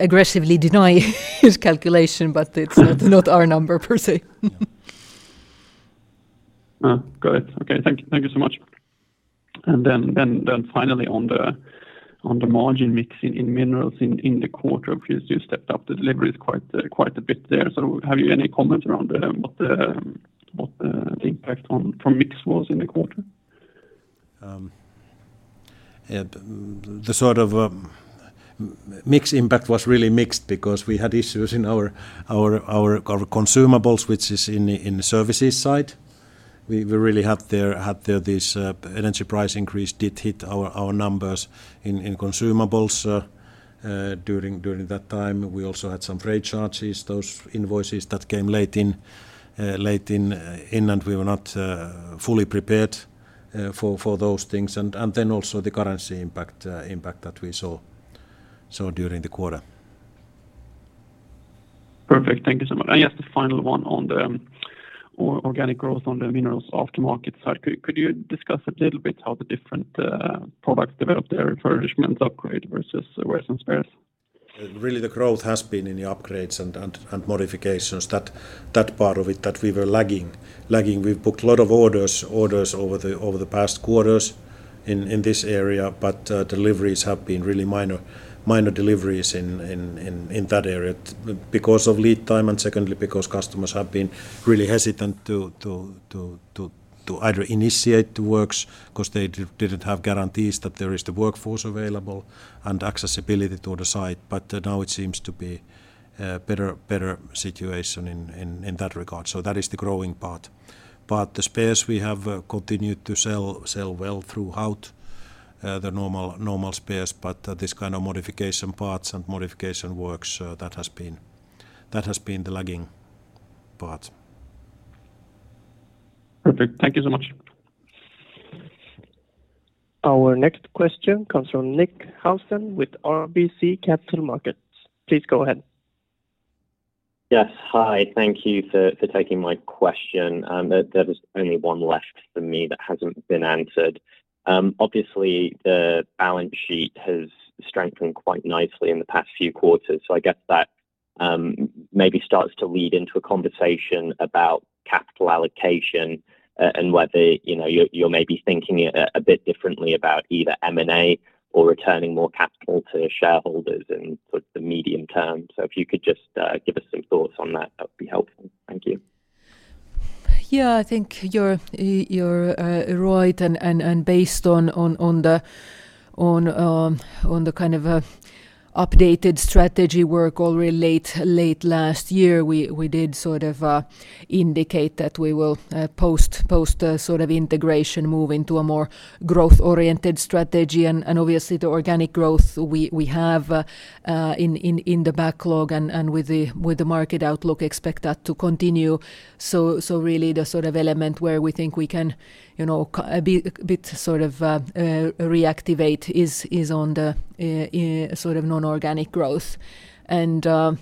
aggressively deny his calculation, but it's not our number per se. Oh, got it. Okay. Thank you. Thank you so much. Finally on the margin mix in minerals in the quarter, obviously you stepped up the deliveries quite a bit there. Have you any comment around what the impact from mix was in the quarter? Yeah, the sort of mix impact was really mixed because we had issues in our consumables, which is in the Services side. We really had there this energy price increase did hit our numbers in consumables during that time. We also had some freight charges, those invoices that came late in and we were not fully prepared for those things. Also the currency impact that we saw during the quarter. Perfect. Thank you so much. Just a final one on the organic growth on the minerals aftermarket side. Could you discuss a little bit how the different products developed there, refurbishment, upgrade versus wears and spares? Really the growth has been in the upgrades and modifications. That part of it that we were lagging. We've booked a lot of orders over the past quarters in this area, but deliveries have been really minor in that area because of lead time and secondly because customers have been really hesitant to either initiate the works 'cause they didn't have guarantees that there is the workforce available and accessibility to the site. Now it seems to be better situation in that regard. That is the growing part. The spares we have continued to sell well throughout the normal spares. This kind of modification parts and modification works that has been the lagging part. Perfect. Thank you so much. Our next question comes from Nick Housden with RBC Capital Markets. Please go ahead. Yes. Hi. Thank you for taking my question. There was only one left for me that hasn't been answered. Obviously the balance sheet has strengthened quite nicely in the past few quarters, so I guess that maybe starts to lead into a conversation about capital allocation, and whether, you know, you're maybe thinking a bit differently about either M&A or returning more capital to shareholders in sort of the medium term. If you could just give us some thoughts on that would be helpful. Thank you. Yeah. I think you're right and based on the kind of updated strategy work already late last year, we did sort of indicate that we will post-integration move into a more growth-oriented strategy and obviously the organic growth we have in the backlog and with the market outlook expect that to continue. Really the sort of element where we think we can, you know, be a bit sort of reactive is on the sort of non-organic growth. That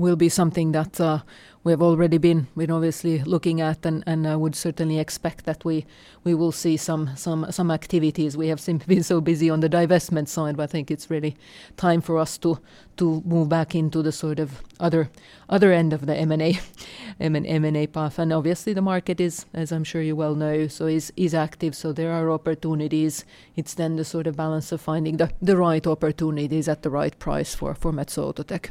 will be something that we've already been obviously looking at and would certainly expect that we will see some activities. We seem to be so busy on the divestment side, but I think it's really time for us to move back into the sort of other end of the M&A path. Obviously the market is, as I'm sure you well know, so active, so there are opportunities. It's then the sort of balance of finding the right opportunities at the right price for Metso Outotec.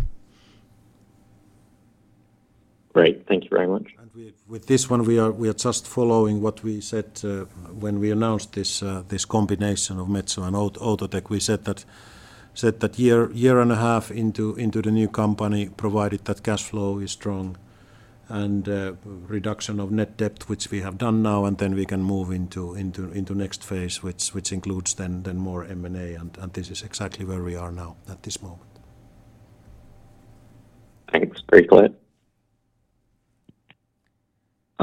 Great. Thank you very much. We with this one we are just following what we said when we announced this combination of Metso and Outotec. We said that year and a half into the new company, provided that cash flow is strong and reduction of net debt, which we have done now, and then we can move into next phase, which includes then more M&A, and this is exactly where we are now at this moment. Thanks. Very clear.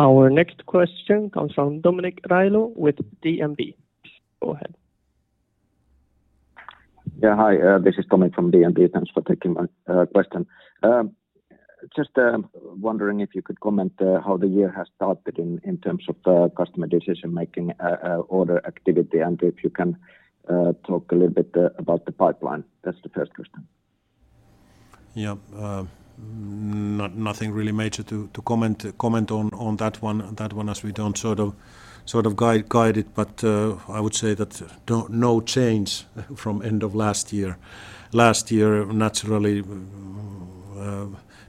Our next question comes from Tomi Railo with DNB. Please go ahead. Yeah. Hi, this is Tomi Railo from DNB. Thanks for taking my question. Just wondering if you could comment how the year has started in terms of customer decision-making, order activity, and if you can talk a little bit about the pipeline. That's the first question. Yeah. Nothing really major to comment on that one as we don't sort of guide it, but I would say that no change from end of last year. Last year, naturally,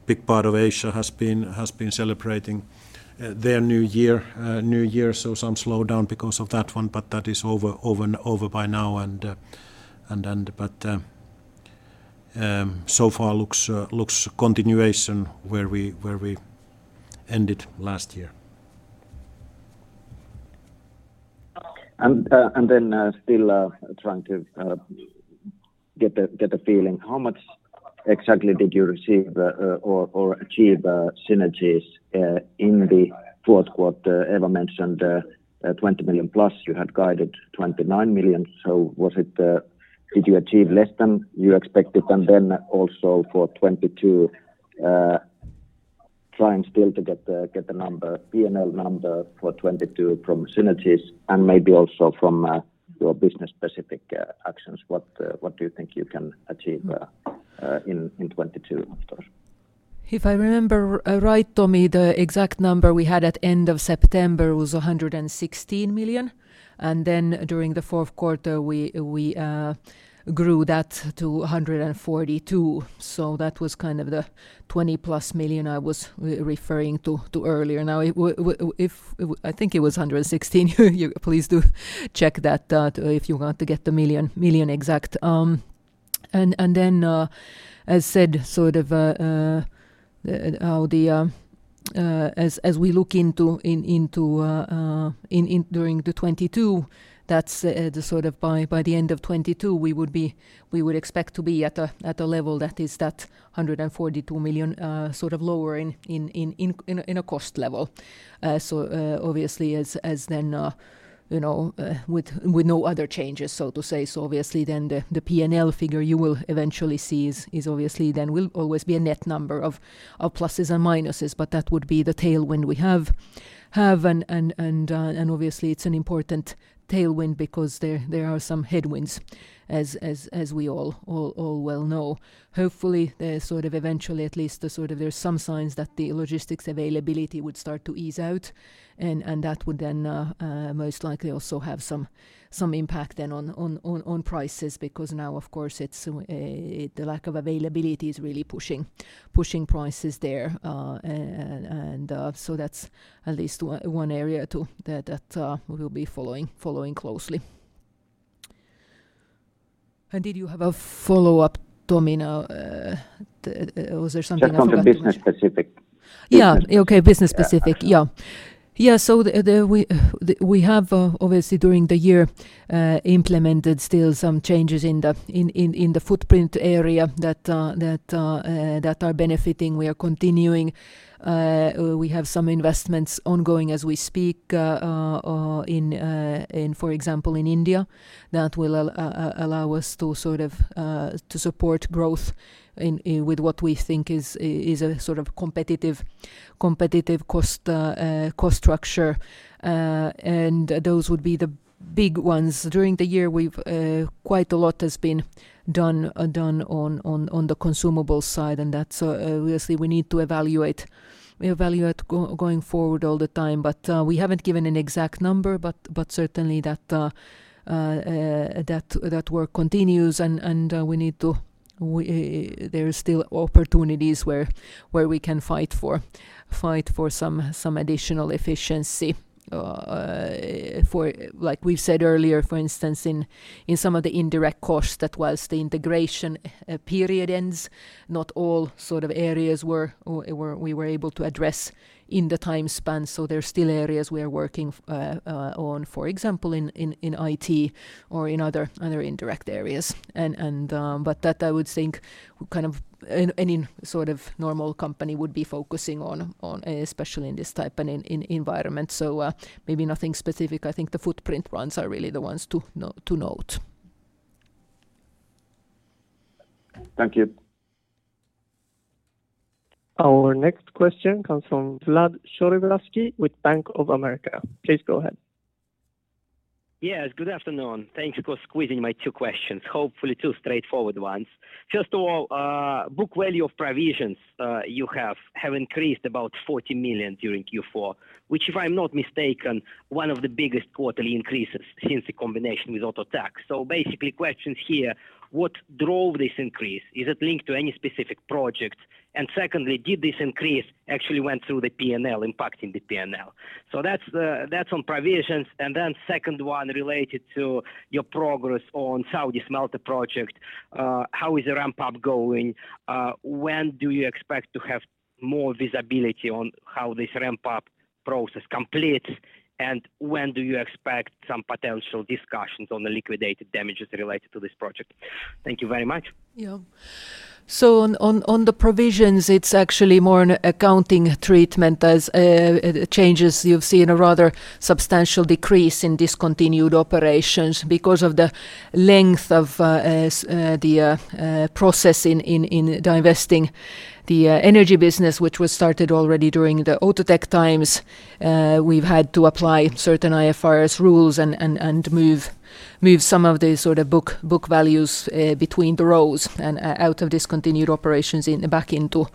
big part of Asia has been celebrating their New Year, so some slowdown because of that one, but that is over by now and then but. So far, it looks like a continuation where we ended last year. Still trying to get the feeling, how much exactly did you receive or achieve synergies in the fourth quarter? Eva mentioned 20 million plus. You had guided 29 million. Did you achieve less than you expected? Also for 2022, trying still to get the number, P&L number for 2022 from synergies and maybe also from your business specific actions. What do you think you can achieve in 2022, after? If I remember right, Tomi, the exact number we had at end of September was EUR 116 million. Then during the fourth quarter, we grew that to 142. That was kind of the 20+ million I was referring to earlier. Now it was EUR 116 million. I think it was 116 million. You please do check that, if you want to get the million exact. As said, sort of, as we look into 2022, that's the sort of by the end of 2022 we would expect to be at a level that is 142 million sort of lower in a cost level. Obviously, as then, you know, with no other changes, so to say. Obviously then the P&L figure you will eventually see is obviously then will always be a net number of pluses and minuses, but that would be the tailwind we have and obviously it's an important tailwind because there are some headwinds as we all well know. Hopefully they're sort of eventually at least there are some signs that the logistics availability would start to ease out and that would then most likely also have some impact then on prices because now of course it's the lack of availability is really pushing prices there. So that's at least one area that we'll be following closely. Did you have a follow-up, Tomi, now? Was there something else? Just on the business specific. Okay. Business specific. We have obviously during the year implemented still some changes in the footprint area that are benefiting. We are continuing. We have some investments ongoing as we speak, for example, in India that will allow us to sort of support growth with what we think is a sort of competitive cost structure. And those would be the big ones. During the year, quite a lot has been done on the consumable side, and that's obviously we need to evaluate going forward all the time. We haven't given an exact number, but certainly that work continues and there is still opportunities where we can fight for some additional efficiency, for like we said earlier, for instance, in some of the indirect costs that while the integration period ends, not all sort of areas where we were able to address in the time span. There's still areas we are working on, for example, in IT or in other indirect areas. But that I would think kind of any sort of normal company would be focusing on, especially in this type of environment. Maybe nothing specific. I think the footprint ones are really the ones to note. Thank you. Our next question comes from Vladimir Sergievskiy with Bank of America. Please go ahead. Yes, good afternoon. Thanks for squeezing my two questions. Hopefully two straightforward ones. First of all, book value of provisions, you have increased about 40 million during Q4, which if I'm not mistaken, one of the biggest quarterly increases since the combination with Outotec. Basically questions here, what drove this increase? Is it linked to any specific projects? And secondly, did this increase actually went through the P&L impacting the P&L? That's on provisions. Then second one related to your progress on Saudi Smelter project. How is the ramp-up going? When do you expect to have more visibility on how this ramp-up process completes? And when do you expect some potential discussions on the liquidated damages related to this project? Thank you very much. Yeah. On the provisions, it's actually more an accounting treatment as changes you've seen a rather substantial decrease in discontinued operations because of the length of the process in divesting the energy business, which was started already during the Outotec times. We've had to apply certain IFRS rules and move some of the sort of book values between the rows and out of discontinued operations back into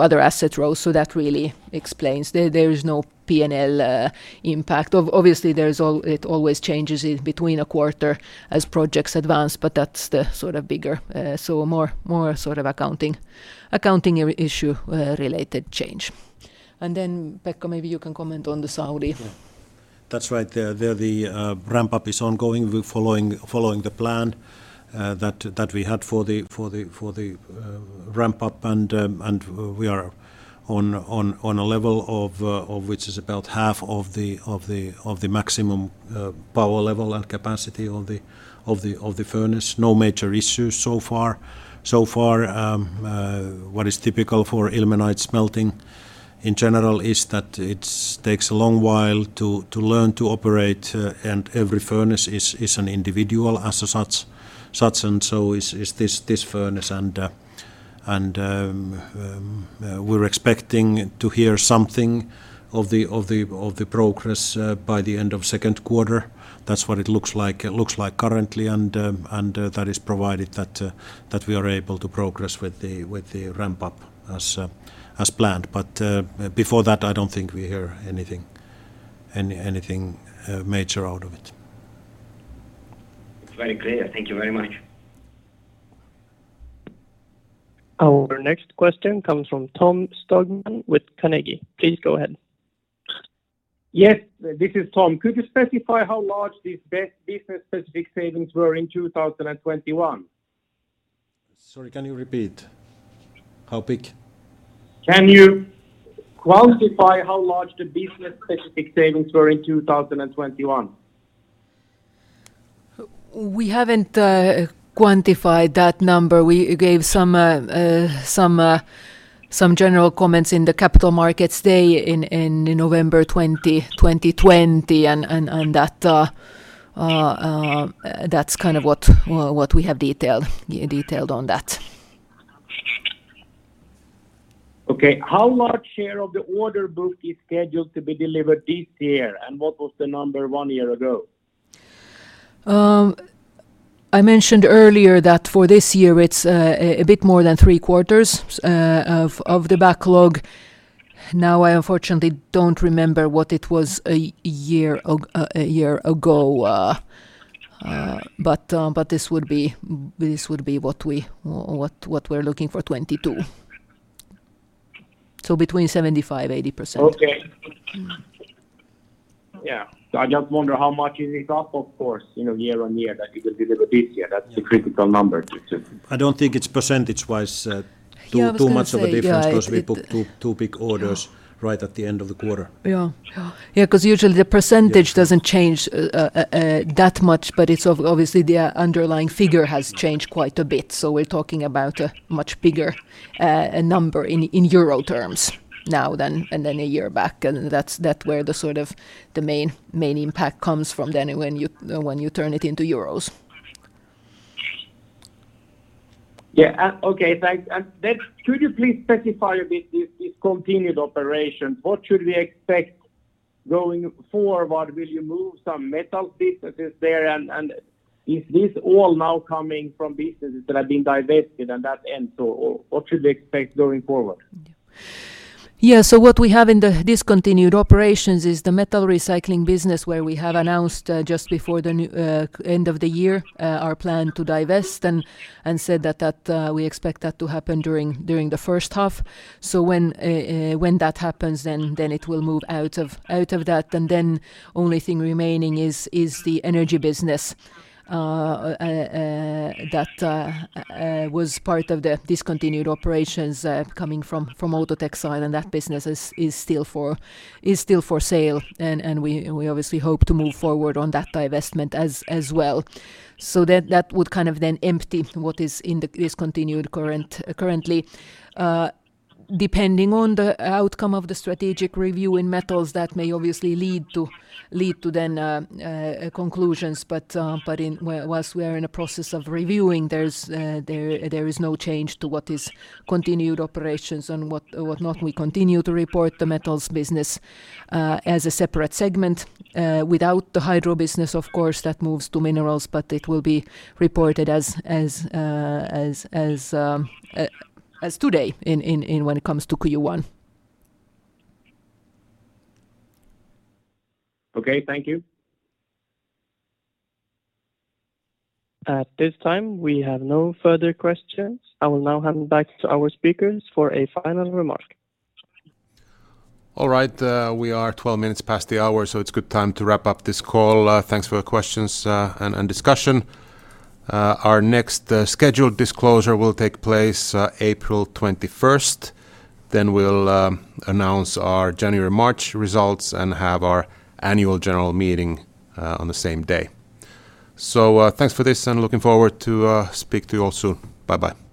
other asset rows. That really explains. There is no P&L impact. Obviously there is. It always changes it between a quarter as projects advance, but that's the sort of bigger, so more sort of accounting issue related change. Then Pekka, maybe you can comment on the Saudi. That's right. There, the ramp up is ongoing. We're following the plan that we had for the ramp up. We are on a level which is about half of the maximum power level and capacity of the furnace. No major issues so far. So far, what is typical for ilmenite smelting in general is that it takes a long while to learn to operate, and every furnace is an individual as such, and so is this furnace. We're expecting to hear something of the progress by the end of second quarter. That's what it looks like currently. That is provided that we are able to progress with the ramp up as planned. Before that, I don't think we hear anything major out of it. It's very clear. Thank you very much. Our next question comes from Tom Skogman with Carnegie. Please go ahead. Yes, this is Tom. Could you specify how large these business-specific savings were in 2021? Sorry, can you repeat? How big? Can you quantify how large the business-specific savings were in 2021? We haven't quantified that number. We gave some general comments in the Capital Markets Day in November 2020. That's kind of what we have detailed on that. Okay. How large share of the order book is scheduled to be delivered this year, and what was the number one year ago? I mentioned earlier that for this year it's a bit more than three quarters of the backlog. Now, I unfortunately don't remember what it was a year ago, but this would be what we're looking for 2022. Between 75%-80%. Okay. Yeah. I just wonder how much is it up, of course, you know, year on year that you will deliver this year. That's the critical number to. I don't think it's percentage-wise. Yeah, I was gonna say, yeah. Too much of a difference. It, it- 'cause we booked two big orders right at the end of the quarter. 'Cause usually the percentage doesn't change that much, but it's obviously the underlying figure has changed quite a bit. We're talking about a much bigger number in euro terms now than a year back. That's where the main impact comes from when you turn it into euros. Could you please specify the discontinued operation? What should we expect going forward? What will you move some metal businesses there? Is this all now coming from businesses that are being divested and that end? What should we expect going forward? Yeah. What we have in the discontinued operations is the metal recycling business where we have announced just before the year-end our plan to divest and said that we expect that to happen during the first half. When that happens, then it will move out of that. Then only thing remaining is the energy business that was part of the discontinued operations coming from Outotec's, and that business is still for sale. We obviously hope to move forward on that divestment as well. That would kind of then empty what is in the discontinued operations currently. Depending on the outcome of the strategic review in metals, that may obviously lead to conclusions. While we are in a process of reviewing, there is no change to what is continuing operations and what not. We continue to report the metals business as a separate segment without the hydro business, of course, that moves to minerals, but it will be reported as today in when it comes to Q1. Okay, thank you. At this time, we have no further questions. I will now hand back to our speakers for a final remark. All right, we are 12 minutes past the hour, so it's good time to wrap up this call. Thanks for your questions and discussion. Our next scheduled disclosure will take place April twenty-first. Then we'll announce our January March results and have our annual general meeting on the same day. Thanks for this, and looking forward to speak to you all soon. Bye-bye.